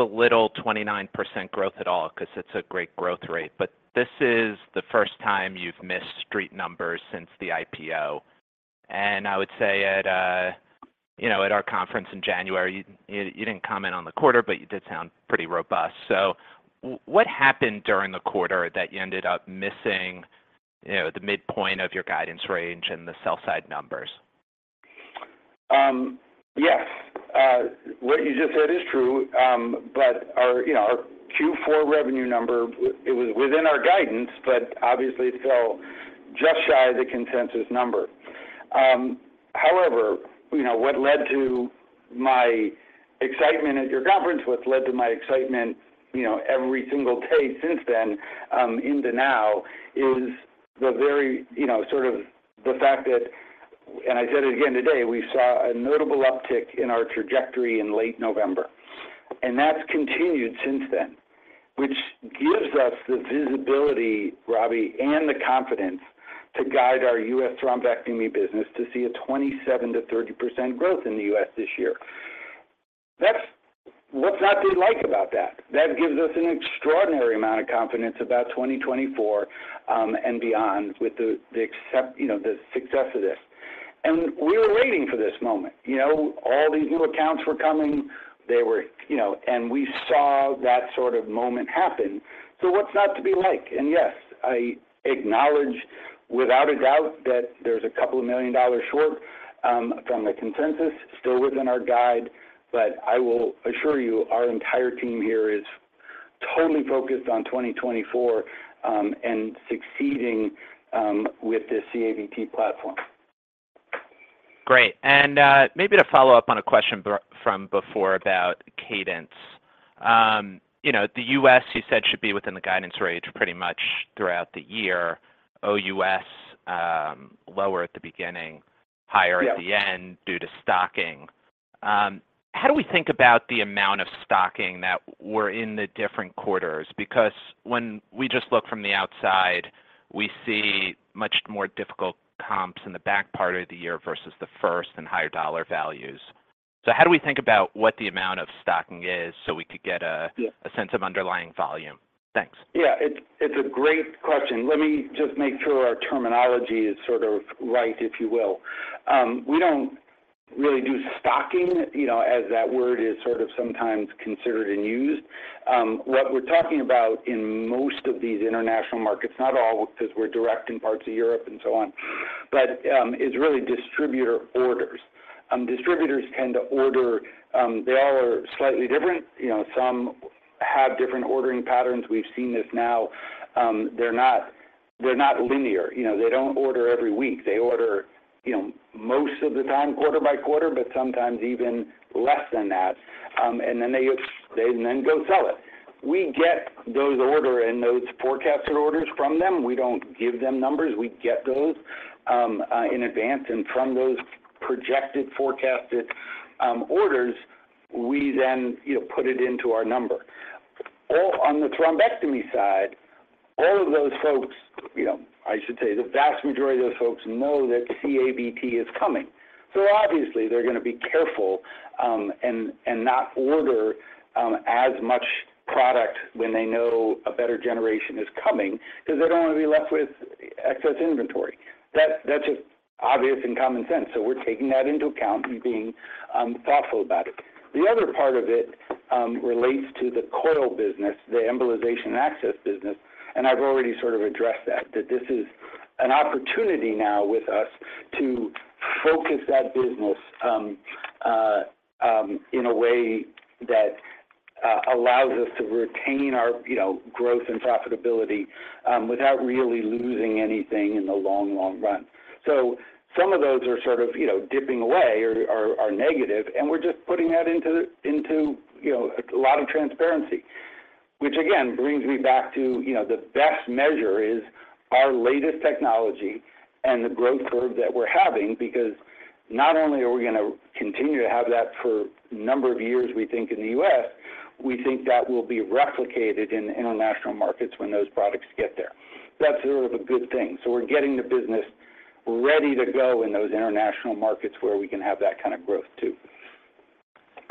Speaker 9: belittle 29% growth at all because it's a great growth rate, but this is the first time you've missed street numbers since the IPO. And I would say at, you know, at our conference in January, you didn't comment on the quarter, but you did sound pretty robust. So what happened during the quarter that you ended up missing, you know, the midpoint of your guidance range and the sell side numbers?
Speaker 3: Yes, what you just said is true, but our, you know, our Q4 revenue number, it was within our guidance, but obviously still just shy of the consensus number. However, you know, what led to my excitement at your conference, what's led to my excitement, you know, every single day since then, into now, is the very, you know, sort of the fact that, and I said it again today, we saw a notable uptick in our trajectory in late November, and that's continued since then, which gives us the visibility, Robbie, and the confidence to guide our US thrombectomy business to see a 27%-30% growth in the US this year. That's, what's not to like about that? That gives us an extraordinary amount of confidence about 2024, and beyond with the, the accept, you know, the success of this. And we were waiting for this moment, you know, all these new accounts were coming. They were, you know, and we saw that sort of moment happen. So what's not to be like? And yes, I acknowledge, without a doubt, that there's $2,000,000 short, from the consensus, still within our guide. But I will assure you, our entire team here is totally focused on 2024, and succeeding, with this CAVT platform.
Speaker 9: Great. And, maybe to follow up on a question from before about cadence. You know, the US, you said, should be within the guidance range pretty much throughout the year. OUS, lower at the beginning, higher-
Speaker 3: Yeah...
Speaker 9: at the end due to stocking. How do we think about the amount of stocking that were in the different quarters? Because when we just look from the outside, we see much more difficult comps in the back part of the year versus the first and higher dollar values. So how do we think about what the amount of stocking is so we could get a-
Speaker 3: Yeah...
Speaker 9: a sense of underlying volume? Thanks.
Speaker 3: Yeah, it's, it's a great question. Let me just make sure our terminology is sort of right, if you will. We don't really do stocking, you know, as that word is sort of sometimes considered and used. What we're talking about in most of these international markets, not all, because we're direct in parts of Europe and so on, but, is really distributor orders. Distributors tend to order, they all are slightly different. You know, some have different ordering patterns. We've seen this now, they're not, they're not linear. You know, they don't order every week. They order, you know, most of the time, quarter by quarter, but sometimes even less than that. And then they, they then go sell it. We get those order and those forecasted orders from them. We don't give them numbers, we get those in advance, and from those projected forecasted orders, we then, you know, put it into our number. All on the thrombectomy side, all of those folks, you know, I should say the vast majority of those folks know that CAVT is coming. So obviously they're going to be careful and not order as much product when they know a better generation is coming because they don't want to be left with excess inventory. That's just obvious and common sense. So we're taking that into account and being thoughtful about it. The other part of it relates to the coil business, the embolization access business, and I've already sort of addressed that, that this is an opportunity now with us to focus that business in a way that allows us to retain our, you know, growth and profitability without really losing anything in the long, long run. So some of those are sort of, you know, dipping away or are, are negative, and we're just putting that into, into, you know, a lot of transparency. Which again, brings me back to, you know, the best measure is our latest technology and the growth curve that we're having, because not only are we going to continue to have that for a number of years, we think in the US, we think that will be replicated in international markets when those products get there. That's sort of a good thing. So we're getting the business ready to go in those international markets where we can have that kind of growth, too.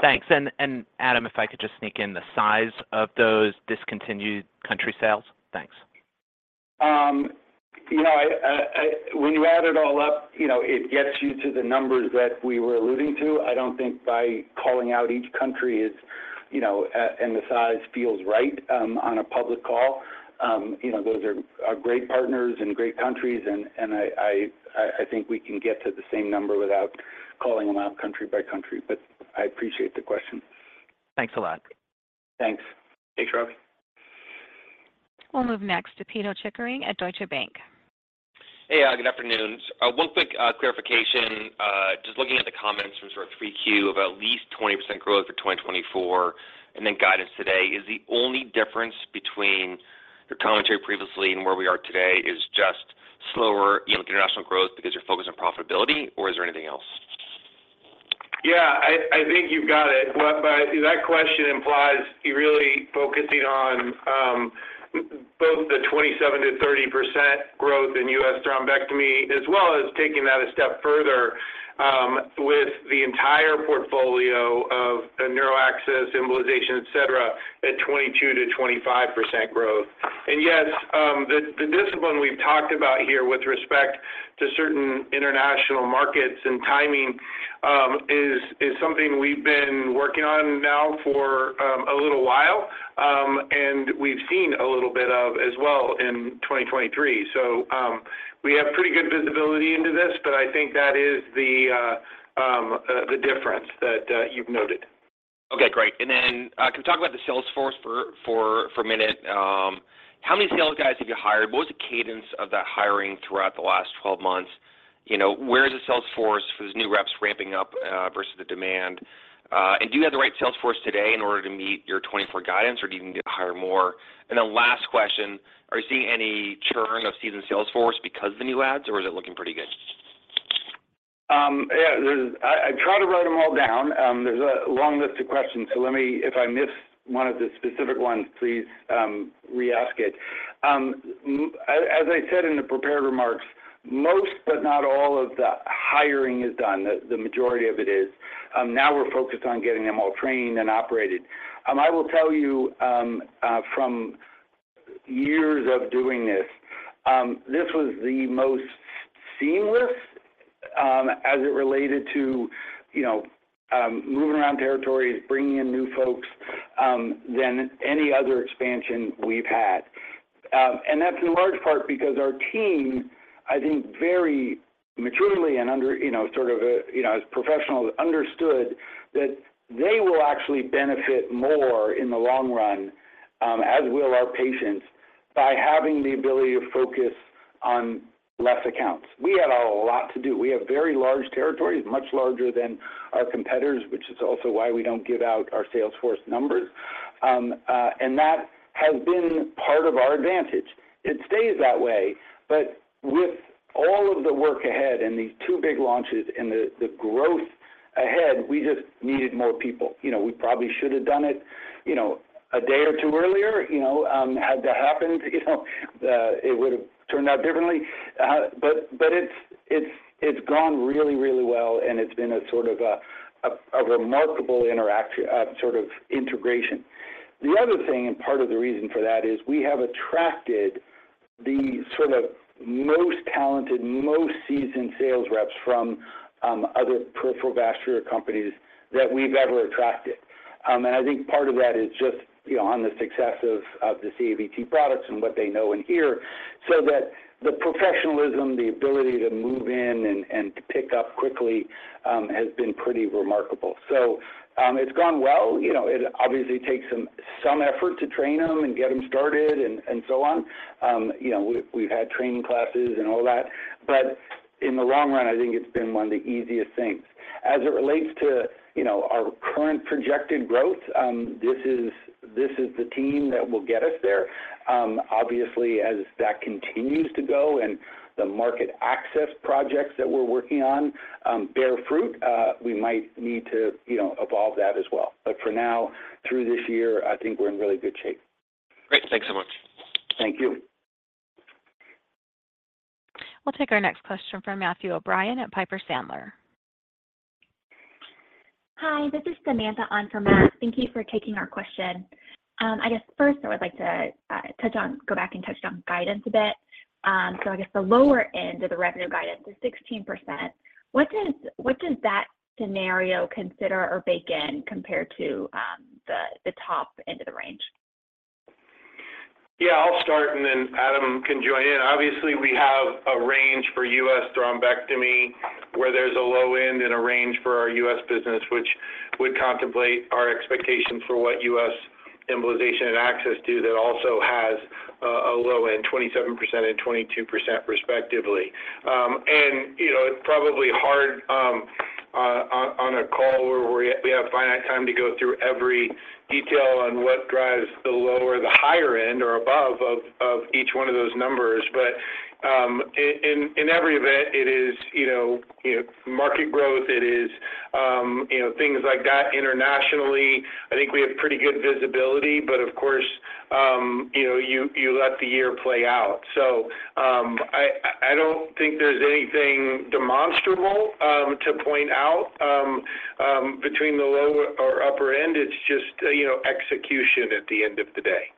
Speaker 9: Thanks. And Adam, if I could just sneak in the size of those discontinued country sales? Thanks.
Speaker 3: You know, I, when you add it all up, you know, it gets you to the numbers that we were alluding to. I don't think by calling out each country is, you know, and the size feels right, on a public call. You know, those are great partners and great countries, and I think we can get to the same number without calling them out country by country. But I appreciate the question.
Speaker 9: Thanks a lot.
Speaker 3: Thanks.
Speaker 5: Thanks, Robbie.
Speaker 1: We'll move next to Pito Chickering at Deutsche Bank.
Speaker 10: Hey, good afternoon. One quick clarification. Just looking at the comments from sort of 3Q about at least 20% growth for 2024 and then guidance today, is the only difference between your commentary previously and where we are today just slower, you know, international growth because you're focused on profitability, or is there anything else?
Speaker 3: Yeah, I think you've got it. But that question implies you're really focusing on both the 27%-30% growth in U.S. thrombectomy, as well as taking that a step further, with the entire portfolio of neuro access, embolization, et cetera, at 22%-25% growth. And yes, the discipline we've talked about here with respect to certain international markets and timing is something we've been working on now for a little while, and we've seen a little bit of as well in 2023. So, we have pretty good visibility into this, but I think that is the difference that you've noted....
Speaker 10: Okay, great. And then, can we talk about the sales force for a minute? How many sales guys have you hired? What was the cadence of that hiring throughout the last 12 months? You know, where is the sales force for these new reps ramping up versus the demand? And do you have the right sales force today in order to meet your 2024 guidance, or do you need to hire more? And then last question: Are you seeing any churn of seasoned sales force because of the new ads, or is it looking pretty good?
Speaker 3: Yeah, I tried to write them all down. There's a long list of questions, so let me, if I miss one of the specific ones, please, re-ask it. As I said in the prepared remarks, most, but not all of the hiring is done. The majority of it is. Now we're focused on getting them all trained and operated. I will tell you, from years of doing this, this was the most seamless, as it related to, you know, moving around territories, bringing in new folks, than any other expansion we've had. And that's in large part because our team, I think, very maturely and under, you know, sort of a, you know, as professionals, understood that they will actually benefit more in the long run, as will our patients, by having the ability to focus on less accounts. We had a lot to do. We have very large territories, much larger than our competitors, which is also why we don't give out our sales force numbers. And that has been part of our advantage. It stays that way, but with all of the work ahead and these two big launches and the growth ahead, we just needed more people. You know, we probably should have done it, you know, a day or two earlier, you know, had that happened, you know, it would've turned out differently. But it's gone really well, and it's been a sort of a remarkable interaction sort of integration. The other thing, and part of the reason for that is, we have attracted the sort of most talented, most seasoned sales reps from other peripheral vascular companies that we've ever attracted. And I think part of that is just, you know, on the success of the CAVT products and what they know in here, so that the professionalism, the ability to move in and pick up quickly, has been pretty remarkable. So, it's gone well. You know, it obviously takes some effort to train them and get them started and so on. You know, we've had training classes and all that, but in the long run, I think it's been one of the easiest things. As it relates to, you know, our current projected growth, this is the team that will get us there. Obviously, as that continues to go and the market access projects that we're working on bear fruit, we might need to, you know, evolve that as well. But for now, through this year, I think we're in really good shape.
Speaker 10: Great. Thanks so much.
Speaker 3: Thank you.
Speaker 1: We'll take our next question from Matt O'Brien at Piper Sandler.
Speaker 11: Hi, this is Samantha on for Matt. Thank you for taking our question. I guess first I would like to go back and touch on guidance a bit. So I guess the lower end of the revenue guidance is 16%. What does that scenario consider or bake in compared to the top end of the range?
Speaker 5: Yeah, I'll start and then Adam can join in. Obviously, we have a range for US thrombectomy, where there's a low end and a range for our US business, which would contemplate our expectation for what US embolization and access to that also has a low end, 27% and 22%, respectively. And, you know, it's probably hard on a call where we have finite time to go through every detail on what drives the lower, the higher end or above of each one of those numbers. But in every event, it is, you know, market growth, it is, you know, things like that. Internationally, I think we have pretty good visibility, but of course, you know, you let the year play out. I don't think there's anything demonstrable to point out between the lower or upper end. It's just, you know, execution at the end of the day.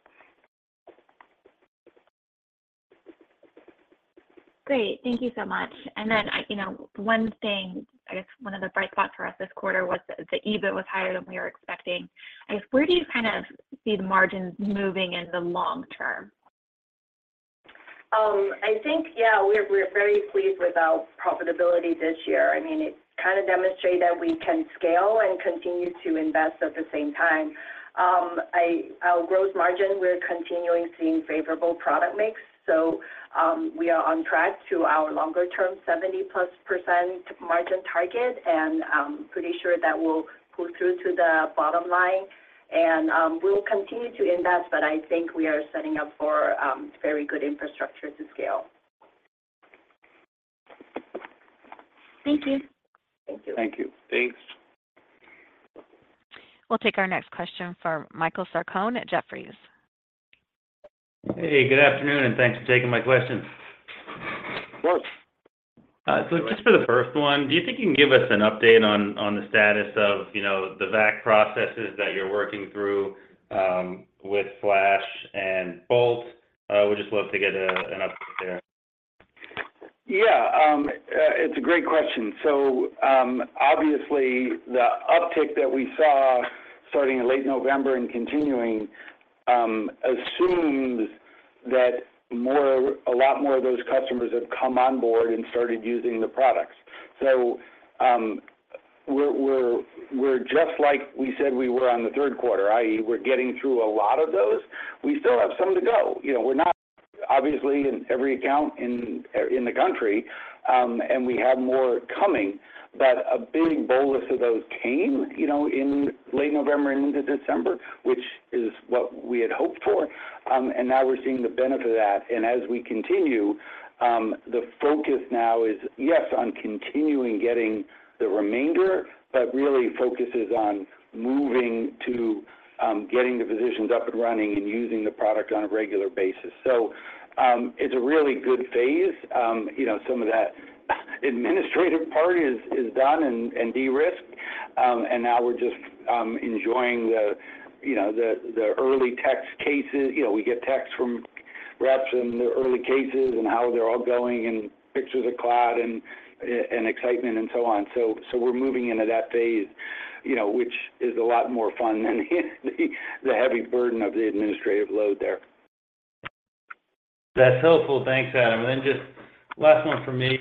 Speaker 11: Great. Thank you so much. And then, you know, one thing, I guess one of the bright spots for us this quarter was the, the EBIT was higher than we were expecting. I guess, where do you kind of see the margins moving in the long term?
Speaker 4: I think, yeah, we're very pleased with our profitability this year. I mean, it kind of demonstrate that we can scale and continue to invest at the same time. Our gross margin, we're continuing seeing favorable product mix, so we are on track to our longer-term 70%+ margin target, and pretty sure that will pull through to the bottom line. We'll continue to invest, but I think we are setting up for very good infrastructure to scale.
Speaker 11: Thank you.
Speaker 3: Thank you.
Speaker 4: Thank you.
Speaker 5: Thanks.
Speaker 1: We'll take our next question from Michael Sarcone at Jefferies.
Speaker 12: Hey, good afternoon, and thanks for taking my question.
Speaker 3: Of course.
Speaker 12: So just for the first one, do you think you can give us an update on the status of, you know, the VAC processes that you're working through with Flash and Bolt? Would just love to get an update there.
Speaker 3: Yeah, it's a great question. So, obviously, the uptick that we saw starting in late November and continuing, assumes that more, a lot more of those customers have come on board and started using the products. So, we're just like we said we were on the third quarter, i.e., we're getting through a lot of those. We still have some to go. You know, we're not obviously in every account in the country, and we have more coming, but a big bolus of those came, you know, in late November and into December, which is what we had hoped for. And now we're seeing the benefit of that. As we continue, the focus now is, yes, on continuing getting the remainder, but really focuses on moving to getting the physicians up and running and using the product on a regular basis. It's a really good phase. You know, some of that administrative part is done and de-risked. Now we're just enjoying, you know, the early test cases. You know, we get texts from reps in the early cases and how they're all going, and pictures of clots and excitement and so on. We're moving into that phase, you know, which is a lot more fun than the heavy burden of the administrative load there.
Speaker 12: That's helpful. Thanks, Adam. And then just last one from me.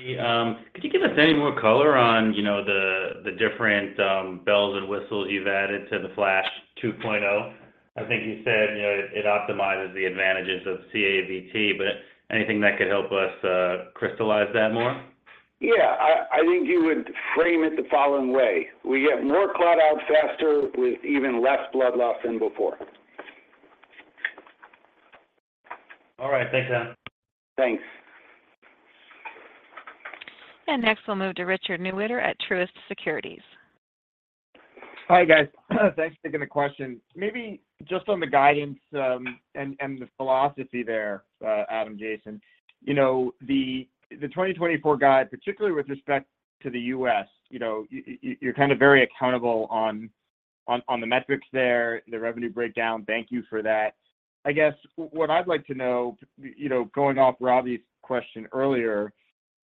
Speaker 12: Could you give us any more color on, you know, the different, bells and whistles you've added to the Flash 2.0? I think you said, you know, it optimizes the advantages of CAVT, but anything that could help us, crystallize that more?
Speaker 3: Yeah. I think you would frame it the following way: We get more clot out faster with even less blood loss than before.
Speaker 12: All right. Thanks, Adam.
Speaker 3: Thanks.
Speaker 1: Next, we'll move to Richard Newitter at Truist Securities.
Speaker 13: Hi, guys. Thanks for taking the question. Maybe just on the guidance, and the philosophy there, Adam, Jason. You know, the 2024 guide, particularly with respect to the US, you know, you're kind of very accountable on the metrics there, the revenue breakdown. Thank you for that. I guess what I'd like to know, you know, going off Robbie's question earlier,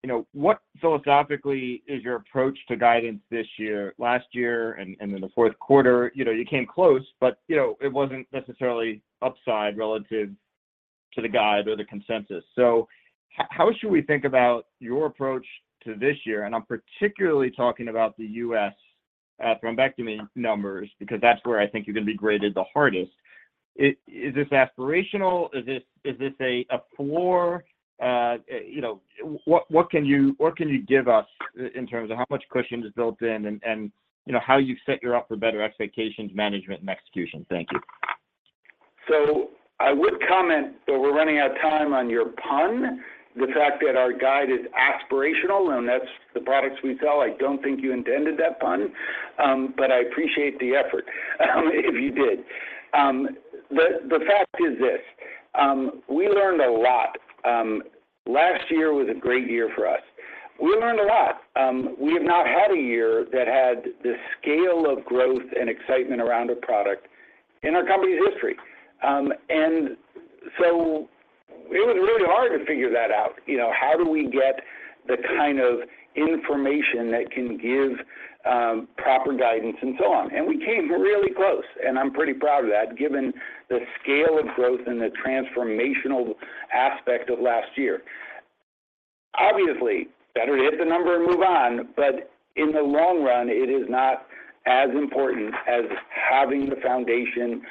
Speaker 13: you know, what philosophically is your approach to guidance this year? Last year and in the fourth quarter, you know, you came close, but, you know, it wasn't necessarily upside relative to the guide or the consensus. So how should we think about your approach to this year? And I'm particularly talking about the US thrombectomy numbers, because that's where I think you're going to be graded the hardest. Is this aspirational? Is this a floor? You know, what can you give us in terms of how much cushion is built in, and you know, how you set yourself up for better expectations, management, and execution? Thank you.
Speaker 3: So I would comment, but we're running out of time on your pun, the fact that our guide is aspirational, and that's the products we sell. I don't think you intended that pun, but I appreciate the effort, if you did. The fact is this, we learned a lot. Last year was a great year for us. We learned a lot. We have not had a year that had the scale of growth and excitement around a product in our company's history. And so it was really hard to figure that out. You know, how do we get the kind of information that can give proper guidance and so on? And we came really close, and I'm pretty proud of that, given the scale of growth and the transformational aspect of last year. Obviously, better hit the number and move on, but in the long run, it is not as important as having the foundation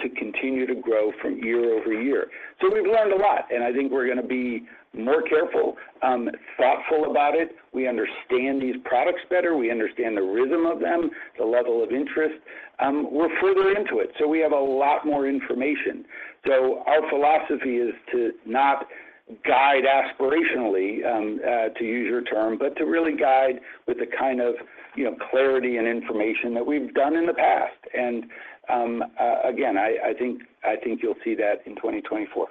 Speaker 3: to continue to grow from year over year. So we've learned a lot, and I think we're going to be more careful, thoughtful about it. We understand these products better. We understand the rhythm of them, the level of interest. We're further into it, so we have a lot more information. So our philosophy is to not guide aspirationally, to use your term, but to really guide with the kind of, you know, clarity and information that we've done in the past. And again, I think you'll see that in 2024.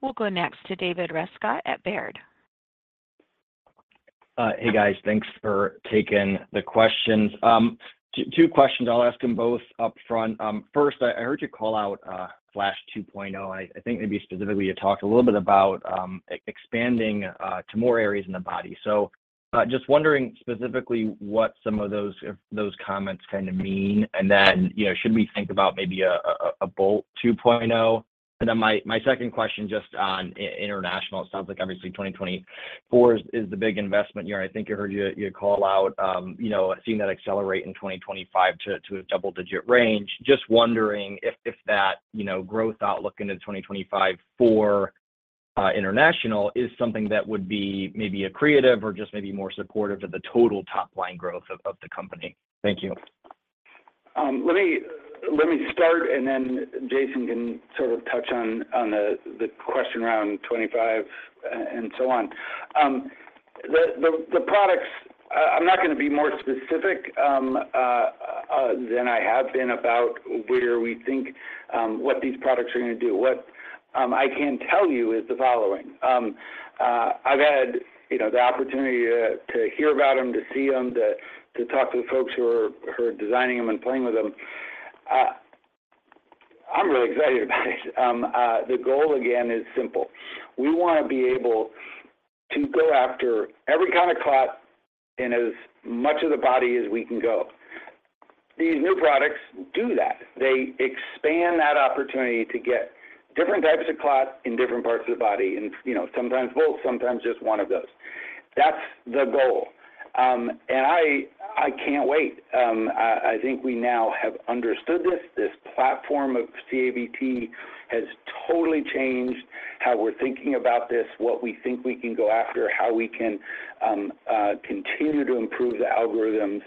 Speaker 1: We'll go next to David Rescott at Baird.
Speaker 14: Hey, guys. Thanks for taking the questions. Two questions. I'll ask them both upfront. First, I heard you call out Flash 2.0. I think maybe specifically, you talked a little bit about expanding to more areas in the body. So, just wondering specifically what some of those comments kind of mean? And then, you know, should we think about maybe a Bolt 2.0? And then my second question, just on international, it sounds like obviously 2024 is the big investment year. I think I heard you call out, you know, seeing that accelerate in 2025 to a double-digit range. Just wondering if that, you know, growth outlook into 2025 for international is something that would be maybe accretive or just maybe more supportive to the total top-line growth of the company. Thank you.
Speaker 3: Let me start, and then Jason can sort of touch on the question around 25 and so on. The products... I'm not going to be more specific than I have been about where we think what these products are going to do. What I can tell you is the following: I've had, you know, the opportunity to hear about them, to see them, to talk to the folks who are designing them and playing with them. I'm really excited about it. The goal again is simple: We want to be able to go after every kind of clot in as much of the body as we can go. These new products do that. They expand that opportunity to get different types of clots in different parts of the body, and, you know, sometimes both, sometimes just one of those. That's the goal. And I can't wait. I think we now have understood this. This platform of CAVT has totally changed how we're thinking about this, what we think we can go after, how we can continue to improve the algorithms.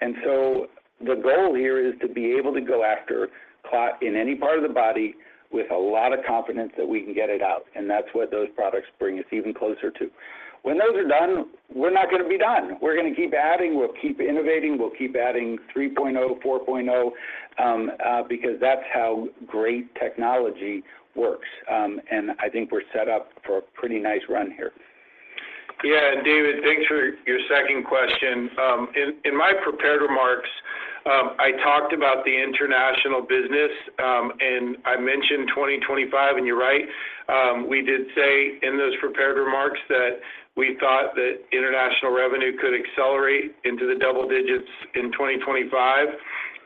Speaker 3: And so the goal here is to be able to go after clot in any part of the body with a lot of confidence that we can get it out, and that's what those products bring us even closer to. When those are done, we're not gonna be done. We're gonna keep adding, we'll keep innovating, we'll keep adding 3.0, 4.0, because that's how great technology works. And I think we're set up for a pretty nice run here.
Speaker 5: Yeah, and David, thanks for your second question. In my prepared remarks, I talked about the international business, and I mentioned 2025, and you're right. We did say in those prepared remarks that we thought that international revenue could accelerate into the double digits in 2025.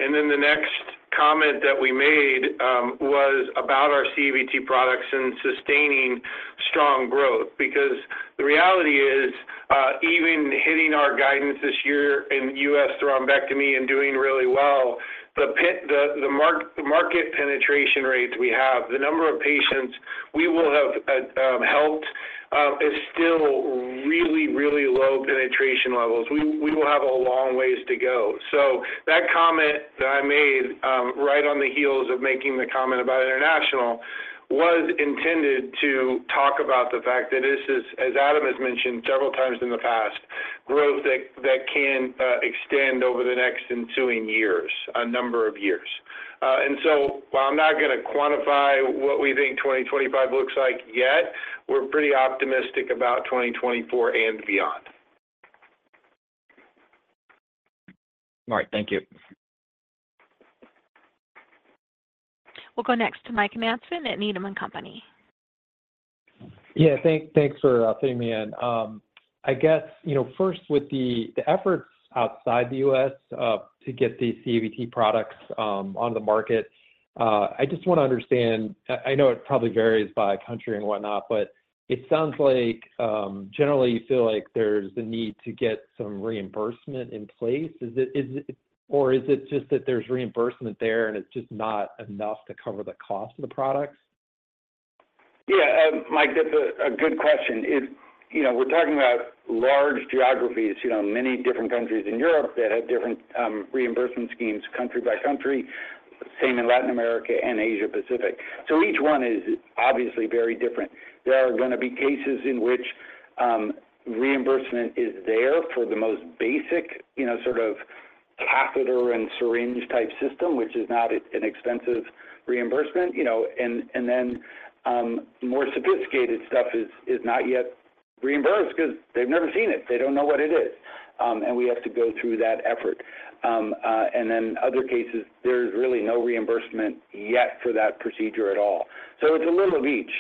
Speaker 5: And then the next comment that we made was about our CVT products and sustaining strong growth. Because the reality is, even hitting our guidance this year in U.S. thrombectomy and doing really well, the market penetration rates we have, the number of patients we will have helped, is still really, really low penetration levels. We will have a long ways to go. So that comment that I made, right on the heels of making the comment about international, was intended to talk about the fact that this is, as Adam has mentioned several times in the past, growth that can extend over the next ensuing years, a number of years. And so while I'm not gonna quantify what we think 2025 looks like yet, we're pretty optimistic about 2024 and beyond.
Speaker 14: All right. Thank you.
Speaker 1: We'll go next to Mike Matson at Needham & Company.
Speaker 15: Yeah, thanks for fitting me in. I guess, you know, first with the efforts outside the US to get these CAVT products on the market, I just want to understand... I know it probably varies by country and whatnot, but it sounds like generally, you feel like there's the need to get some reimbursement in place. Is it, or is it just that there's reimbursement there, and it's just not enough to cover the cost of the products?
Speaker 3: Yeah, Mike, that's a good question. It's, you know, we're talking about large geographies, you know, many different countries in Europe that have different, reimbursement schemes, country by country. Same in Latin America and Asia Pacific. So each one is obviously very different. There are gonna be cases in which, reimbursement is there for the most basic, you know, sort of catheter and syringe-type system, which is not an expensive reimbursement, you know, and then, more sophisticated stuff is not yet reimbursed because they've never seen it. They don't know what it is. And we have to go through that effort. And then other cases, there's really no reimbursement yet for that procedure at all. So it's a little of each.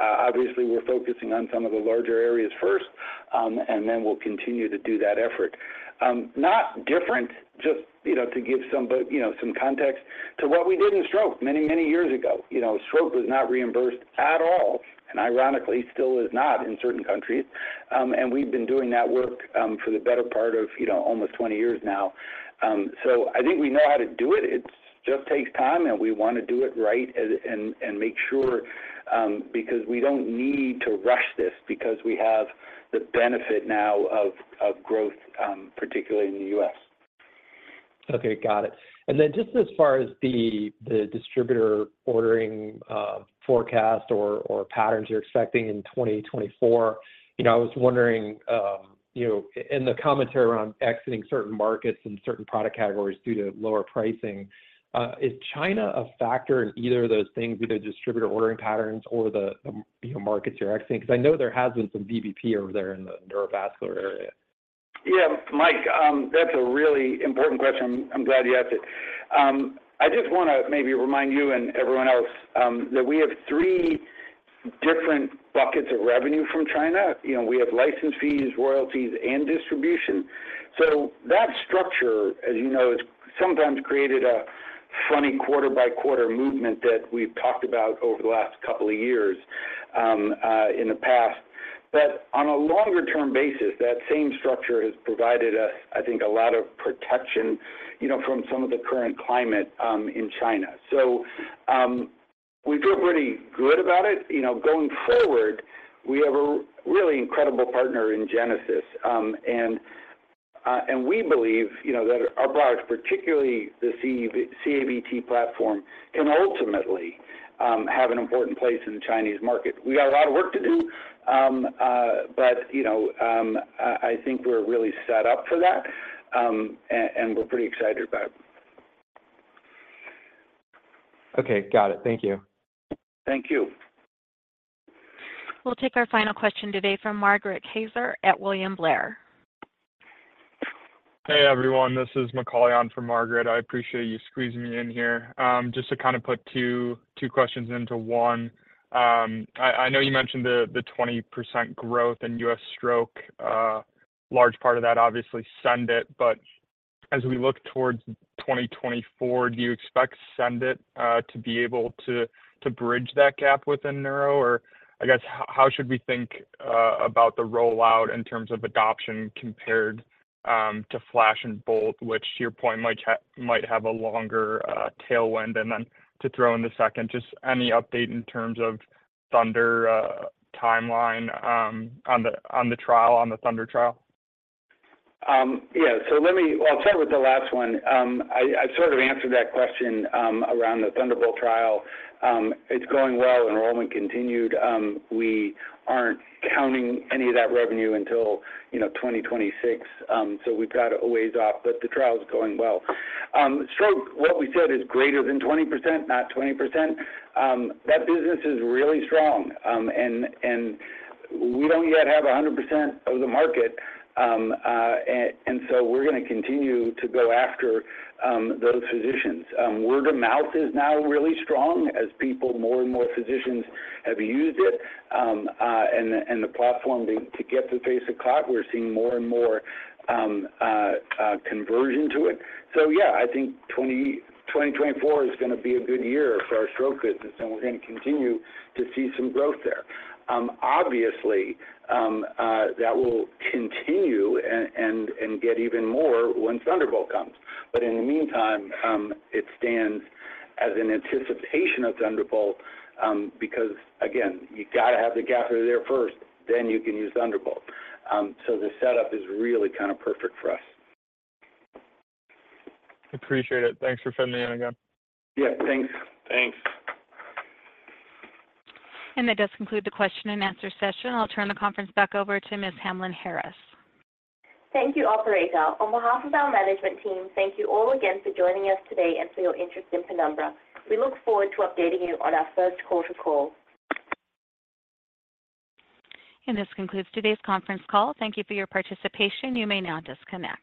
Speaker 3: Obviously, we're focusing on some of the larger areas first, and then we'll continue to do that effort. Not different, just, you know, to give some, you know, some context to what we did in stroke many, many years ago. You know, stroke was not reimbursed at all, and ironically, still is not in certain countries. And we've been doing that work, for the better part of, you know, almost 20 years now. So I think we know how to do it. It just takes time, and we want to do it right and make sure, because we don't need to rush this because we have the benefit now of growth, particularly in the U.S.
Speaker 15: Okay, got it. And then just as far as the distributor ordering forecast or patterns you're expecting in 2024, you know, I was wondering, you know, in the commentary around exiting certain markets and certain product categories due to lower pricing, is China a factor in either of those things, either distributor ordering patterns or the markets you're exiting? Because I know there has been some VBP over there in the neurovascular area.
Speaker 3: Yeah, Mike, that's a really important question. I'm glad you asked it. I just want to maybe remind you and everyone else that we have three different buckets of revenue from China. You know, we have license fees, royalties, and distribution. So that structure, as you know, has sometimes created a funny quarter-by-quarter movement that we've talked about over the last couple of years in the past. But on a longer-term basis, that same structure has provided us, I think, a lot of protection, you know, from some of the current climate in China. So we feel pretty good about it. You know, going forward, we have a really incredible partner in Genesis. And we believe, you know, that our products, particularly the CAVT platform, can ultimately have an important place in the Chinese market. We got a lot of work to do, but, you know, I think we're really set up for that, and we're pretty excited about it.
Speaker 15: Okay. Got it. Thank you.
Speaker 3: Thank you.
Speaker 1: We'll take our final question today from Margaret Kaczor Andrew at William Blair. ...
Speaker 16: Hey, everyone, this is Macaulay on for Margaret. I appreciate you squeezing me in here. Just to kind of put two questions into one. I know you mentioned the 20% growth in U.S. stroke. Large part of that obviously SENDit, but as we look towards 2024, do you expect SENDit to be able to bridge that gap within neuro? Or I guess, how should we think about the rollout in terms of adoption compared to Flash and Bolt, which to your point, might have a longer tailwind? And then to throw in the second, just any update in terms of Thunder timeline on the Thunder trial?
Speaker 3: Yeah. So let me... Well, I'll start with the last one. I sort of answered that question around the Thunderbolt trial. It's going well. Enrollment continued. We aren't counting any of that revenue until, you know, 2026. So we've got a ways off, but the trial is going well. Stroke, what we said is greater than 20%, not 20%. That business is really strong. And we don't yet have 100% of the market. And so we're going to continue to go after those physicians. Word of mouth is now really strong as people, more and more physicians have used it. And the platform to get to basic clot, we're seeing more and more conversion to it. So yeah, I think 2024 is going to be a good year for our stroke business, and we're going to continue to see some growth there. Obviously, that will continue and, and, and get even more when Thunderbolt comes. But in the meantime, it stands as an anticipation of Thunderbolt, because again, you got to have the catheter there first, then you can use Thunderbolt. So the setup is really kind of perfect for us.
Speaker 16: Appreciate it. Thanks for fitting me in again.
Speaker 3: Yeah, thanks.
Speaker 16: Thanks.
Speaker 1: That does conclude the question and answer session. I'll turn the conference back over to Ms. Hamlyn-Harris.
Speaker 2: Thank you, operator. On behalf of our management team, thank you all again for joining us today and for your interest in Penumbra. We look forward to updating you on our first quarter call.
Speaker 1: This concludes today's conference call. Thank you for your participation. You may now disconnect.